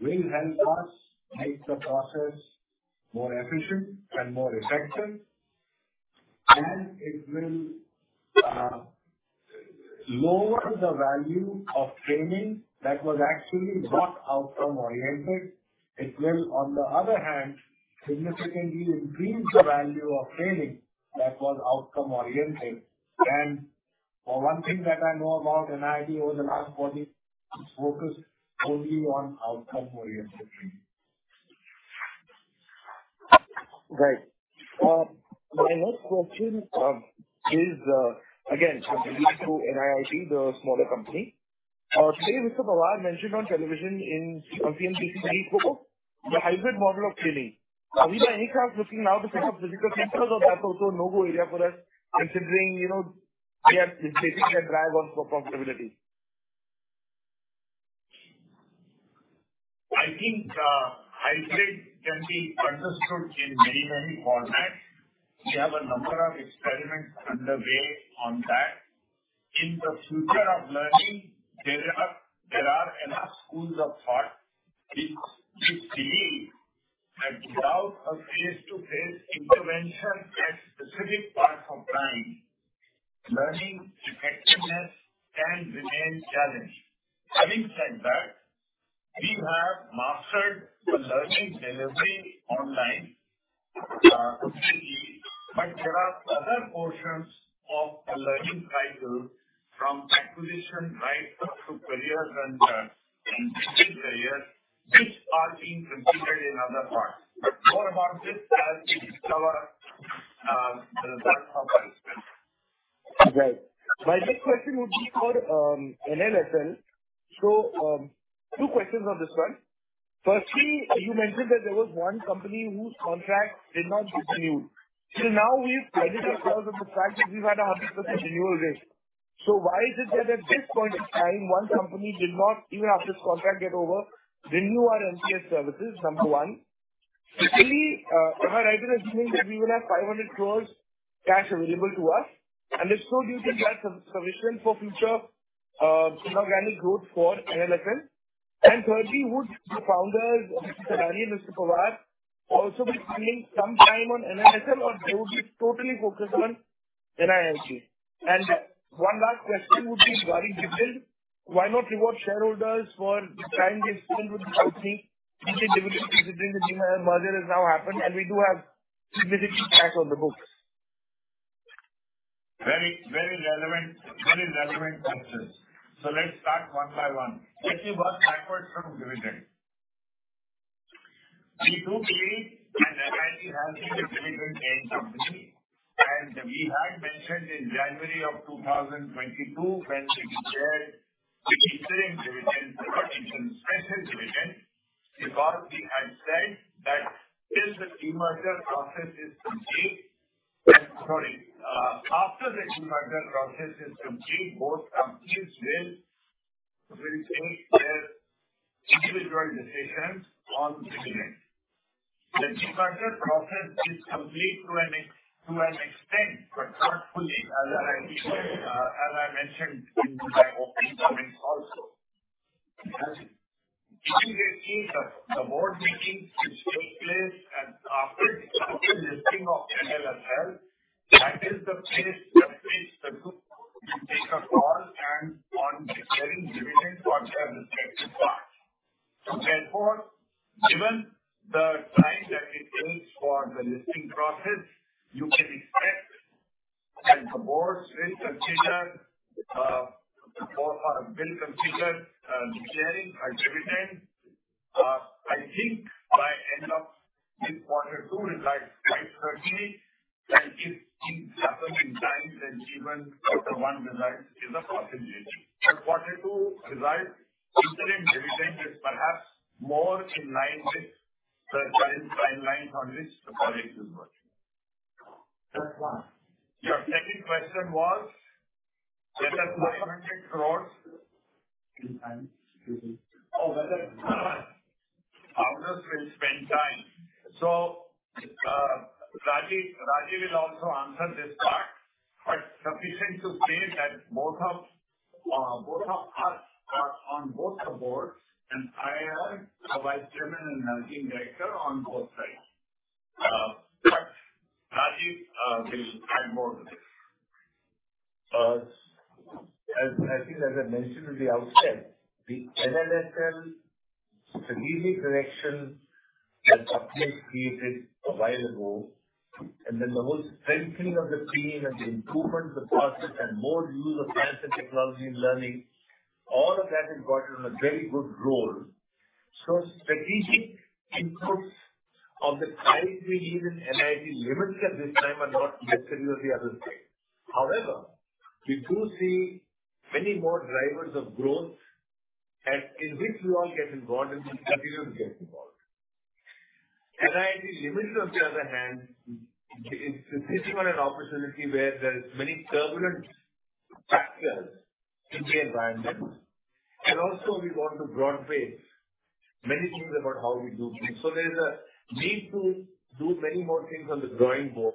will help us make the process more efficient and more effective, and it will lower the value of training that was actually not outcome-oriented. It will, on the other hand, significantly increase the value of training that was outcome-oriented. For one thing that I know about NIIT over the last 40, it's focused only on outcome-oriented training. My next question is again related to NIIT, the smaller company. Today Mr. Pawar mentioned on television on CNBC TV Pro, the hybrid model of training. Are we by any chance looking now to set up physical centers or that's also a no-go area for us, considering, you know, we are taking a drive on profitability? I think hybrid can be understood in many, many formats. We have a number of experiments underway on that. In the future of learning, there are enough schools of thought which believe that without a face-to-face intervention at specific parts of time, learning effectiveness can remain challenged. Having said that, we have mastered the learning delivery online, completely, but there are other portions of the learning cycle from acquisition right up to careers and careers, which are being completed in other parts. More about this as we discover the third company. Right. My next question would be for NLSL. Two questions on this one. Firstly, you mentioned that there was one company whose contract did not renew. Now we've credited because of the fact that we've had a 100% renewal rate. Why is it that at this point in time, one company did not, even after its contract get over, renew our MTS services? Number one. Secondly, am I right in assuming that we will have 500 crores cash available to us, and if so, do you think that's a provision for future inorganic growth for NLSL? Thirdly, would the founders, Mr. Darius and Mr. Pawar, also be spending some time on NLSL, or they will be totally focused on NIIT? One last question would be regarding dividend. Why not reward shareholders for the time they've spent with the company? Given the dividend between the demerger has now happened, and we do have significant cash on the books. Very, very relevant. Very relevant questions. Let's start 1 by 1. Let me work backwards from dividend. We do believe that NIIT has been a dividend-paying company, and we had mentioned in January of 2022, when we shared the interim dividend, not interim, special dividend, because we had said that till the demerger process is complete. Sorry, after the demerger process is complete, both companies will take their individual decisions on dividend. The demerger process is complete to an extent, but not fully, as I mentioned in my opening comments also. Indeed, it is the board meetings which take place after listing of NLSL, that is the place at which the group will take a call and on declaring dividend whatsoever required. Given the time that it takes for the listing process, you can expect, and the board will consider, declaring a dividend. I think by end of this quarter two results, quite certainly, and it seems several times, and even quarter one results is a possibility. Quarter two results, interim dividend is perhaps more in line on which the project is working. That's one. Your second question was? 500 crores. Any time. Oh, whether authors will spend time. Rajiv will also answer this part, but sufficient to say that both of us are on both the boards, and I am a vice chairman and a director on both sides. Rajendra will add more to this. As I think, as I mentioned in the outset, the NLSL strategic direction and updates created a while ago, and then the whole strengthening of the team and the improvement of the process and more use of science and technology in learning, all of that is got on a very good roll. Strategic inputs of the type we need in NIIT Limited at this time are not necessary on the other side. However, we do see many more drivers of growth and in which we all get involved, and continue to get involved. NIIT Limited, on the other hand, is sitting on an opportunity where there is many turbulent factors in the environment. Also, we want to broad base many things about how we do things. There's a need to do many more things on the drawing board,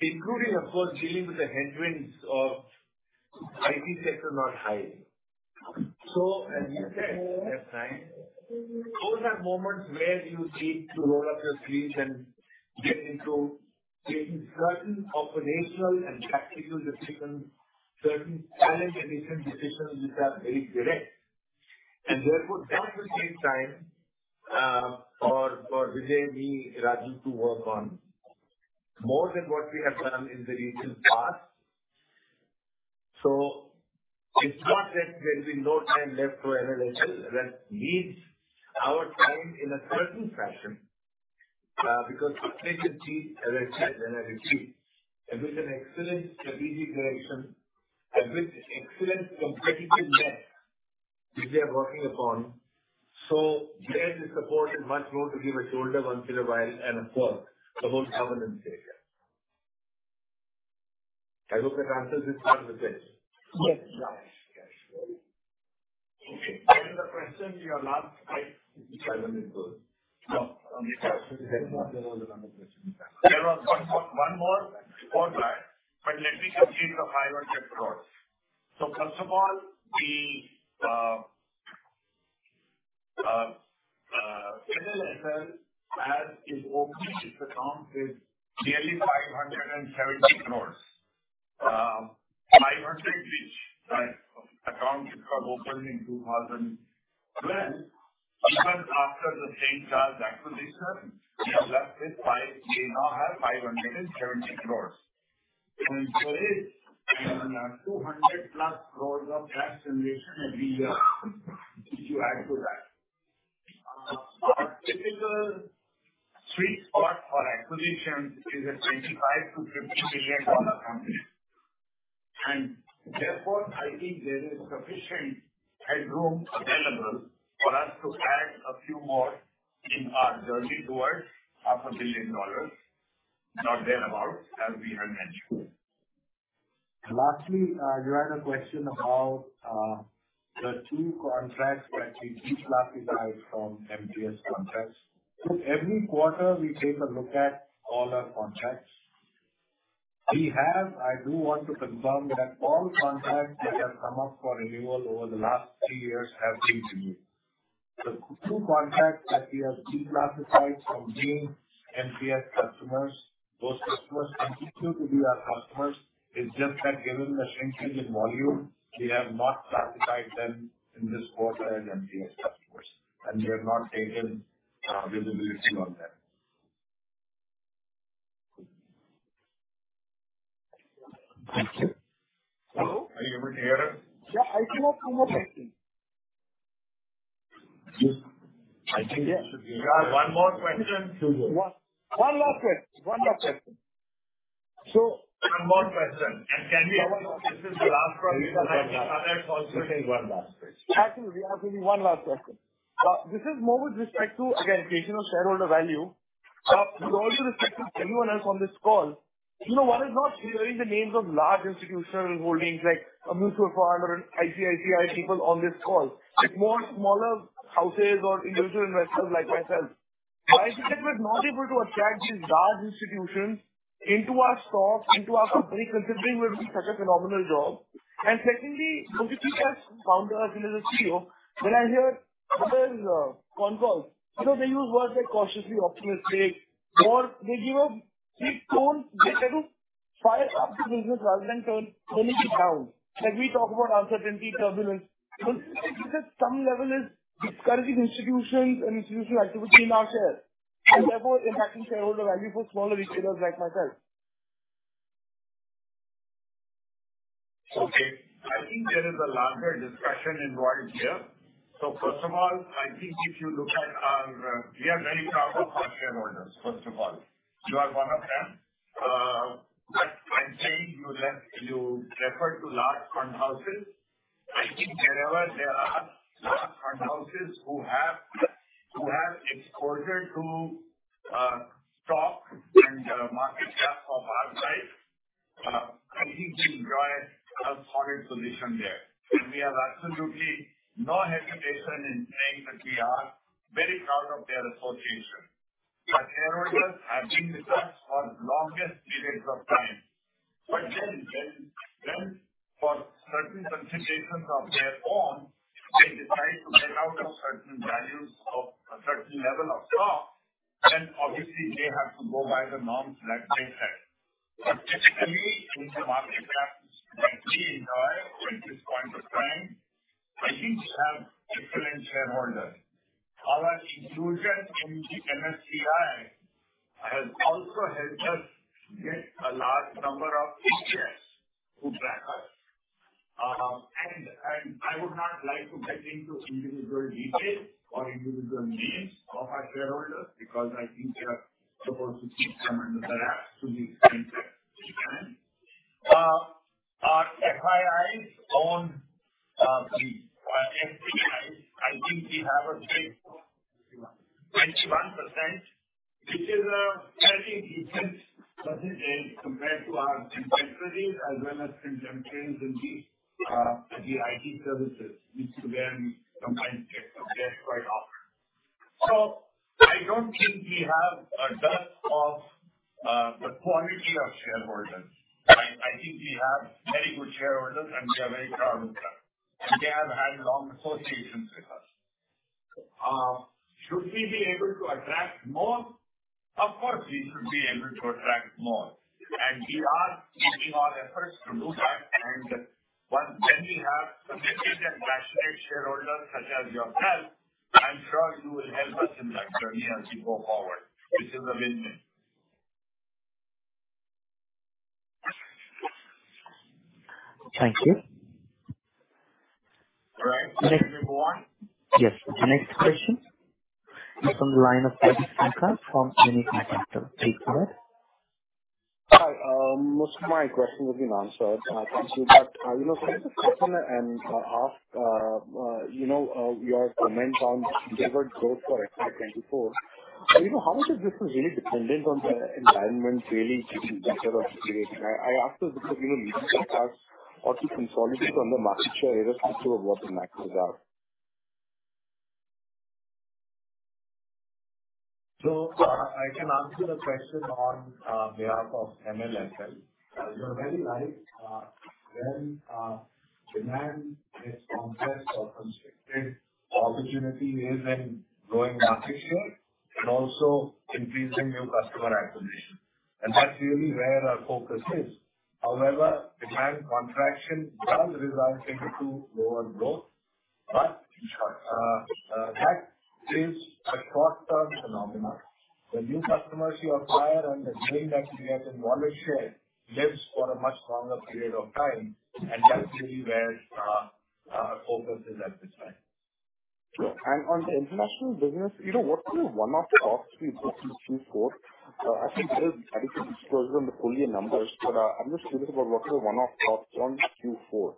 including, of course, dealing with the headwinds of IT sector not high. As you said, that's fine. Those are moments where you need to roll up your sleeves and get into taking certain operational and tactical decisions, certain talent and different decisions which are very direct. Therefore, that will take time for Vijay, me, Raje, to work on more than what we have done in the recent past. It's not that there'll be no time left for NLSL. That needs our time in a certain fashion, because potentially, as I said, NIIT, and with an excellent strategic direction and with excellent competitive mix, which we are working upon. There the support is much more to give a shoulder once in a while and, of course, the whole governance area. I hope that answers this part, Vijay? Yes. Yes. Okay. The question you are not quite. Five minutes ago. No. There was a number of questions. There was one more? All right. Let me complete the 500 crores. First of all, we NLSL, as is opening its account with nearly INR 570 crores, five hundred reach, right? From opening in 2000 and then even after the St. Charles acquisition, we now have 570 crores. There is 200+ crores of tax generation every year if you add to that. Our typical sweet spot for acquisitions is a 25 billion- INR 50 billion company, and therefore, I think there is sufficient headroom available for us to add a few more in our journey towards half a billion dollars, or thereabout, as we had mentioned. Lastly, you had a question about the 2 contracts that we declassified from MTS contracts. Every quarter we take a look at all our contracts. I do want to confirm that all contracts that have come up for renewal over the last 3 years have been renewed. The 2 contracts that we have declassified from being MTS customers, those customers continue to be our customers. It's just that given the shrinkage in volume, we have not classified them in this quarter as MTS customers, and we have not taken visibility on them. Thank you. Hello, are you able to hear it? Yeah, I cannot hear the question. I think one more question. One last question. One last question. One more question, and can we have this is the last one because I have other calls to take. Actually, we have only one last question. This is more with respect to, again, creation of shareholder value. With all due respect to everyone else on this call, you know, one is not hearing the names of large institutional holdings like Mirae Asset or ICICI people on this call, it's more smaller houses or Individual Investors like myself. Why we're not able to attract these large institutions into our stock, into our company, considering we're doing such a phenomenal job? Secondly, when people ask founder as CEO, when I hear other con calls, they use words like cautiously optimistic, or they give a big tone. They kind of fire up the business rather than turn things down. We talk about uncertainty, turbulence, because some level is discouraging institutions and institutional activity in our share and therefore impacting shareholder value for smaller retailers like myself. I think there is a larger discussion involved here. First of all, I think if you look at our, we are very proud of our shareholders, first of all, you are one of them. I'm saying you left, you referred to large fund houses. I think wherever there are large fund houses who have exposure to stock and market cap of our size, I think we enjoy a solid position there, and we have absolutely no hesitation in saying that we are very proud of their association. Shareholders have been with us for longest periods of time. When for certain considerations of their own, they decide to get out of certain values of a certain level of stock, obviously they have to go by the norms that they set. Typically, in the market that we enjoy at this point of time, I think we have different shareholders. Our inclusion in the MSCI has also helped us get a large number of investors who back us. And I would not like to get into individual details or individual names of our shareholders, because I think they are supposed to keep some under the wraps to the extent that they can. Our FIIs own MSCI. I think we have a take of 21%, which is a fairly decent percentage compared to our contemporaries, as well as contemporaries in the IT services, which again, sometimes get compared quite often. I don't think we have a dearth of the quantity of shareholders. I think we have very good shareholders, and we are very proud of them, and they have had long associations with us. Should we be able to attract more? Of course, we should be able to attract more, and we are making all efforts to do that. When you have committed and passionate shareholders such as yourself, I'm sure you will help us in that journey as we go forward. This is a win-win. Thank you. All right, next one. Yes. The next question is on the line of Anika from Unit Industrial. Please go ahead. Hi. most of my questions have been answered, thank you. You know, since the question and ask, you know, your comment on delivered growth for FY 2024, you know, how much of this is really dependent on the environment really getting better or period? I asked this because, you know, recent past or consolidates on the market share era of what the maxes are. I can answer the question on behalf of MLSL. You're very right. When demand is complex or constricted, opportunity is in growing market share and also increasing new customer acquisition. That's really where our focus is. However, demand contraction does result into lower growth, but that is a short-term phenomenon. The new customers you acquire and the gain that you get in market share lives for a much longer period of time, and that's really where our focus is at this time. On the international business, you know, what were the one-off costs we put in Q4? I think there is disclosure on the full year numbers, but I'm just curious about what were the one-off costs on Q4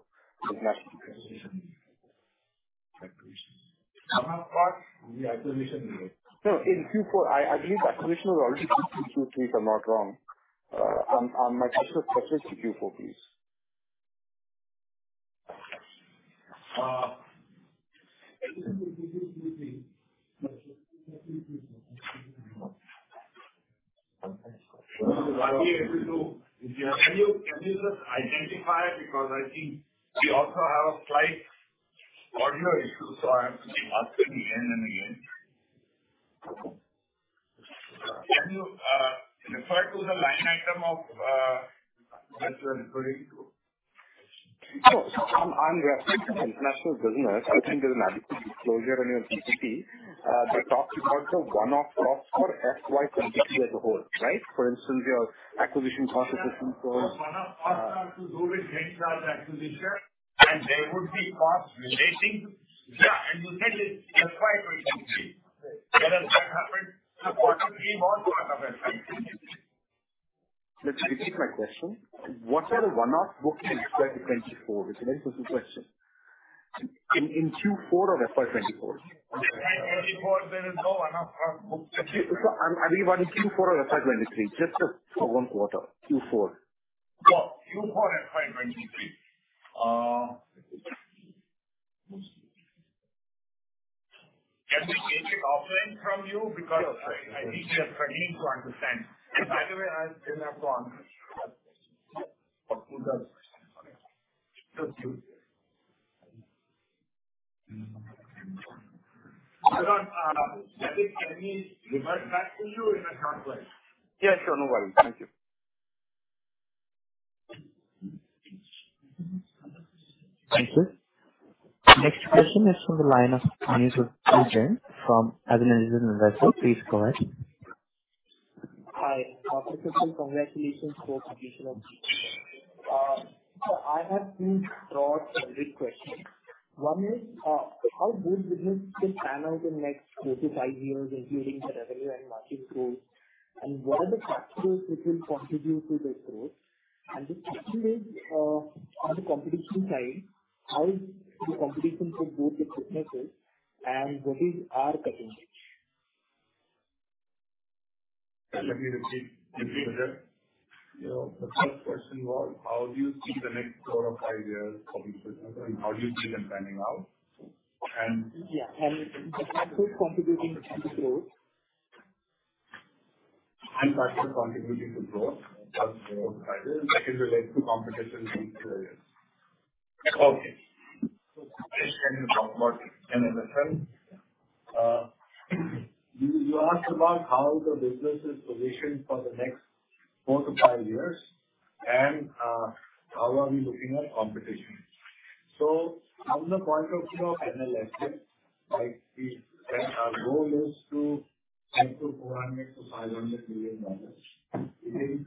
in that acquisition? One-off costs in the acquisition. No, in Q4, I believe acquisition was already Q3, if I'm not wrong. My question is specific to Q4, please. Can you just identify it? I think we also have a slight audio issue, so I'm asking again and again. Can you refer to the line item of interest and printing? No, I'm referring to the international business. I think there's an adequate disclosure on your CCP, but talk about the one-off costs for FY 2024 as a whole, right? For instance, your acquisition costs for. One-off costs are to do with acquisition. There would be costs relating. Yeah, you said it, FY 2023. Whether that happened, what came on to FY 2023. Let me repeat my question: What are the one-off booking in FY 2024? It's a very simple question. In Q4 of FY 2024. In FY 2024, there is no one-off booking. Are we on Q4 or FY 2023? Just for 1 quarter, Q4. Q4, FY 2023. Can we take it offline from you? Because I think just I need to understand. Either way, I still have to understand. I think let me revert back to you in a short while. Yeah, sure, no worry. Thank you. Thank you. Next question is from the line of Anesu from Abhinav Investment. Please go ahead. Hi. First of all, congratulations for completion of Q4. I have two broad, every question. One is, how good business just pan out in the next four to five years, including the revenue and margin growth? What are the factors which will contribute to this growth? The second is, on the competition side, how is the competition for both the businesses and what is our cutting edge? Let me repeat. You know, the first question was, how do you see the next four or five years of business, and how do you see them panning out? The factors contributing to the growth. Factors contributing to growth, plus growth drivers that is related to competition in the areas. Okay. Can you talk about NLSN? You asked about how the business is positioned for the next 4 years-5 years and how are we looking at competition. From the point of view of NLSN, like we said, our goal is to enter $400 million-$500 million. It is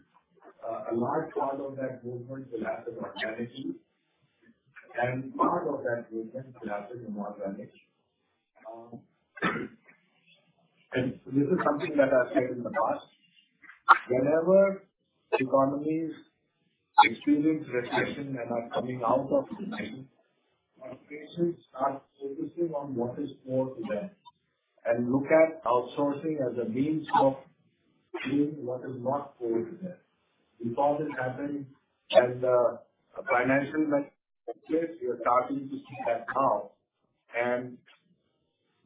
a large part of that movement will happen organically, and part of that movement will happen in more organic. This is something that I've said in the past: Whenever economies experience recession and are coming out of recession, organizations start focusing on what is core to them, and look at outsourcing as a means of doing what is not core to them. We've all this happened, and financially, we are starting to see that now.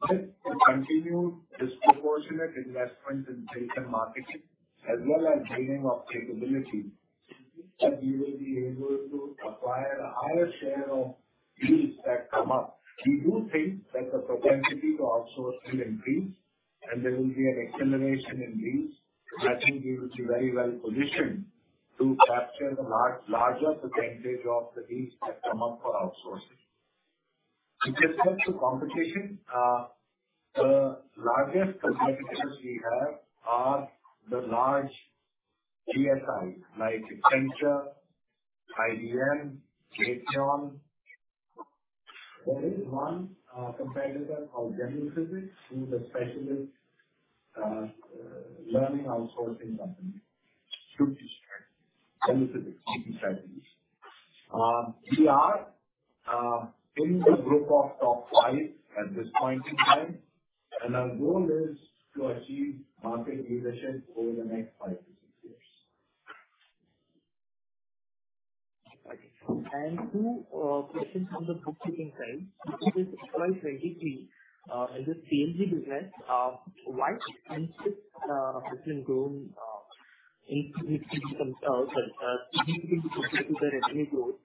With the continued disproportionate investment in sales and marketing, as well as gaining of capability, that we will be able to acquire a higher share of deals that come up. We do think that the propensity to outsource will increase, and there will be an acceleration in deals. I think we will be very well positioned to capture the larger percentage of the deals that come up for outsourcing. In terms of competition, the largest competitors we have are the large GSIs, like Accenture, IBM, Infosys. There is one competitor called Genpact, who is a specialist learning outsourcing company. We are in the group of top five at this point in time, and our goal is to achieve market leadership over the next 5 years-6 years. Okay. Two questions from the bookkeeping side. In FY 2023, in the CIG business, why insist different grown in CBC becomes, sorry, CBD compared to the revenue growth?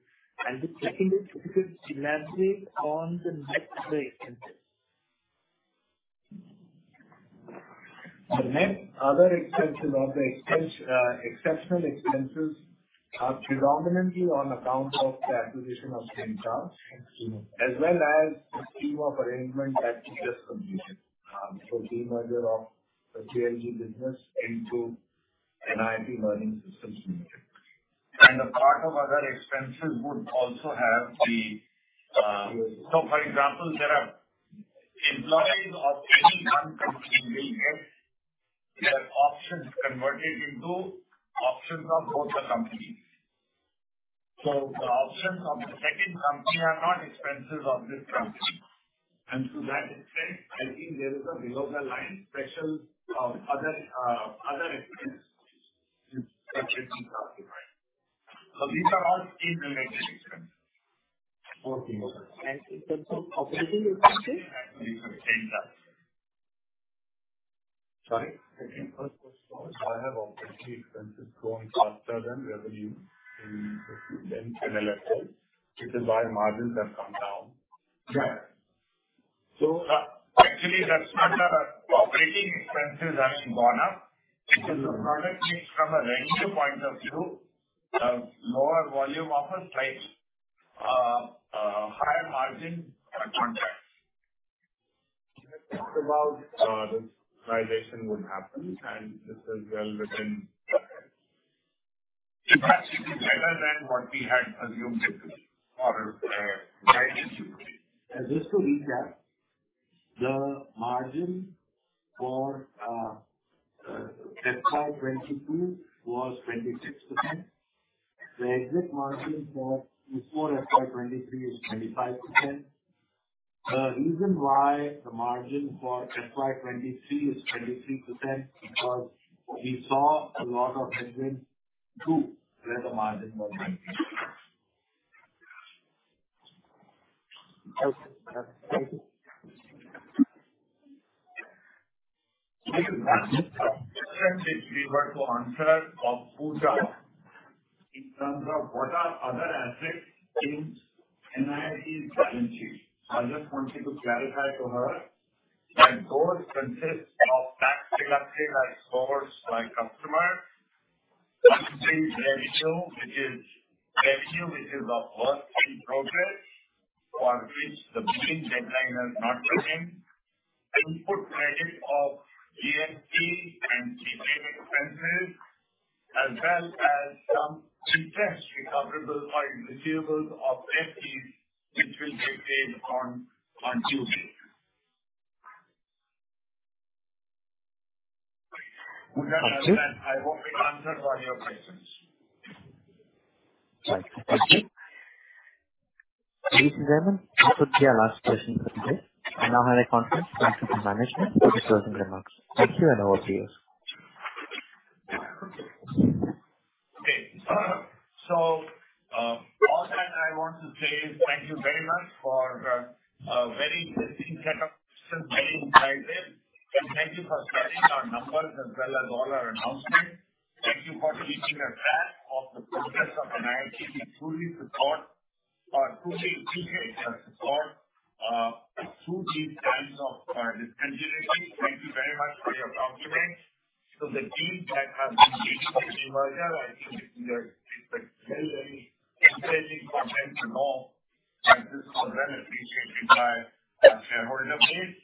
The second is, could you elaborate on the next expenses? The next other expenses or the expense, exceptional expenses are predominantly on account of the acquisition of St. Charles, as well as the scheme of arrangement that we just completed for the merger of the CLG business into NIIT Learning Systems Limited. A part of other expenses would also have the, so for example, there are employees of any one company will get their options converted into options of both the companies. The options of the second company are not expenses of this company, and to that extent, I think there is a below the line special, other expense. These are all scheme related expenses. Okay. In terms of operating expenses? Sorry, I think first question was, why have operating expenses grown faster than revenue in NLSL? Which is why margins have come down. Yeah. Actually, that's not our Operating Expenses having gone up. It is a product mix from a revenue point of view, of lower volume of a price, a higher margin contract. We talked about, this realization would happen, and this is well within. It's actually better than what we had assumed it would or. Just to recap, the margin for FY 2022 was 26%. The exit margin for before FY 2023 is 25%. The reason why the margin for FY 2023 is 23%, because we saw a lot of headroom to raise the margin by 20%. Thank you. If we were to answer of Pooja, in terms of what are other assets in NIIT challenging? I just want you to clarify to her that those consist of back selective as sourced by customer, which is revenue, which is a work in progress for which the billing deadline has not remained. Input credit of GST and travel expenses, as well as some interest recoverable or receivables of FPs, which will be paid on due date. I hope it answers all your questions. Thank you. Ladies and gentlemen, this will be our last question for today. I now hand the conference back to the management for their closing remarks. Thank you, and over to you. Okay, all that I want to say is thank you very much for a very interesting set of questions by you guys. Thank you for sharing our numbers as well as all our announcements. Thank you for keeping a track of the progress of NIIT. We truly support, truly support through these times of disintermediation. Thank you very much for your compliments. The deal that has been made, I think it's a very encouraging comment to know, and this was an appreciated by our shareholder base.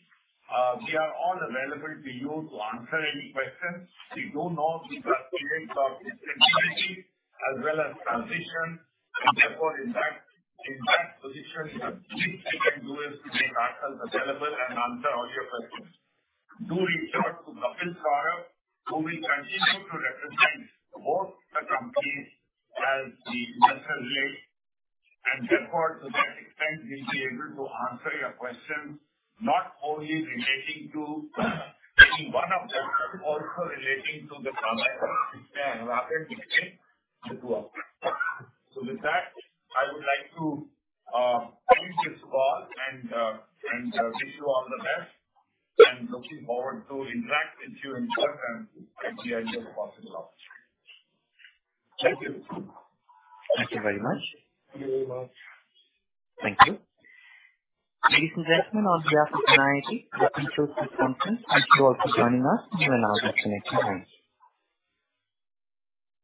We are all available to you to answer any questions. We do know we are in the midst of disintermediation as well as transition, and therefore, in that, in that position, the least we can do is make ourselves available and answer all your questions. Do reach out to Kapil Saurabh, who will continue to represent both the companies as the middle link, and therefore, to that extent, we'll be able to answer your questions, not only relating to any one of them, but also relating to the combined system rather than the two of them. With that, I would like to leave this call and wish you all the best, and looking forward to interact with you in person at the earliest possible opportunity. Thank you. Thank you very much. Thank you very much. Thank you. Ladies and gentlemen, on behalf of NIIT, I thank you for this conference, and thank you all for joining us, and we'll now disconnect the line.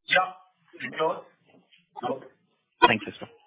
Yeah, we're closed. Thank you, sir.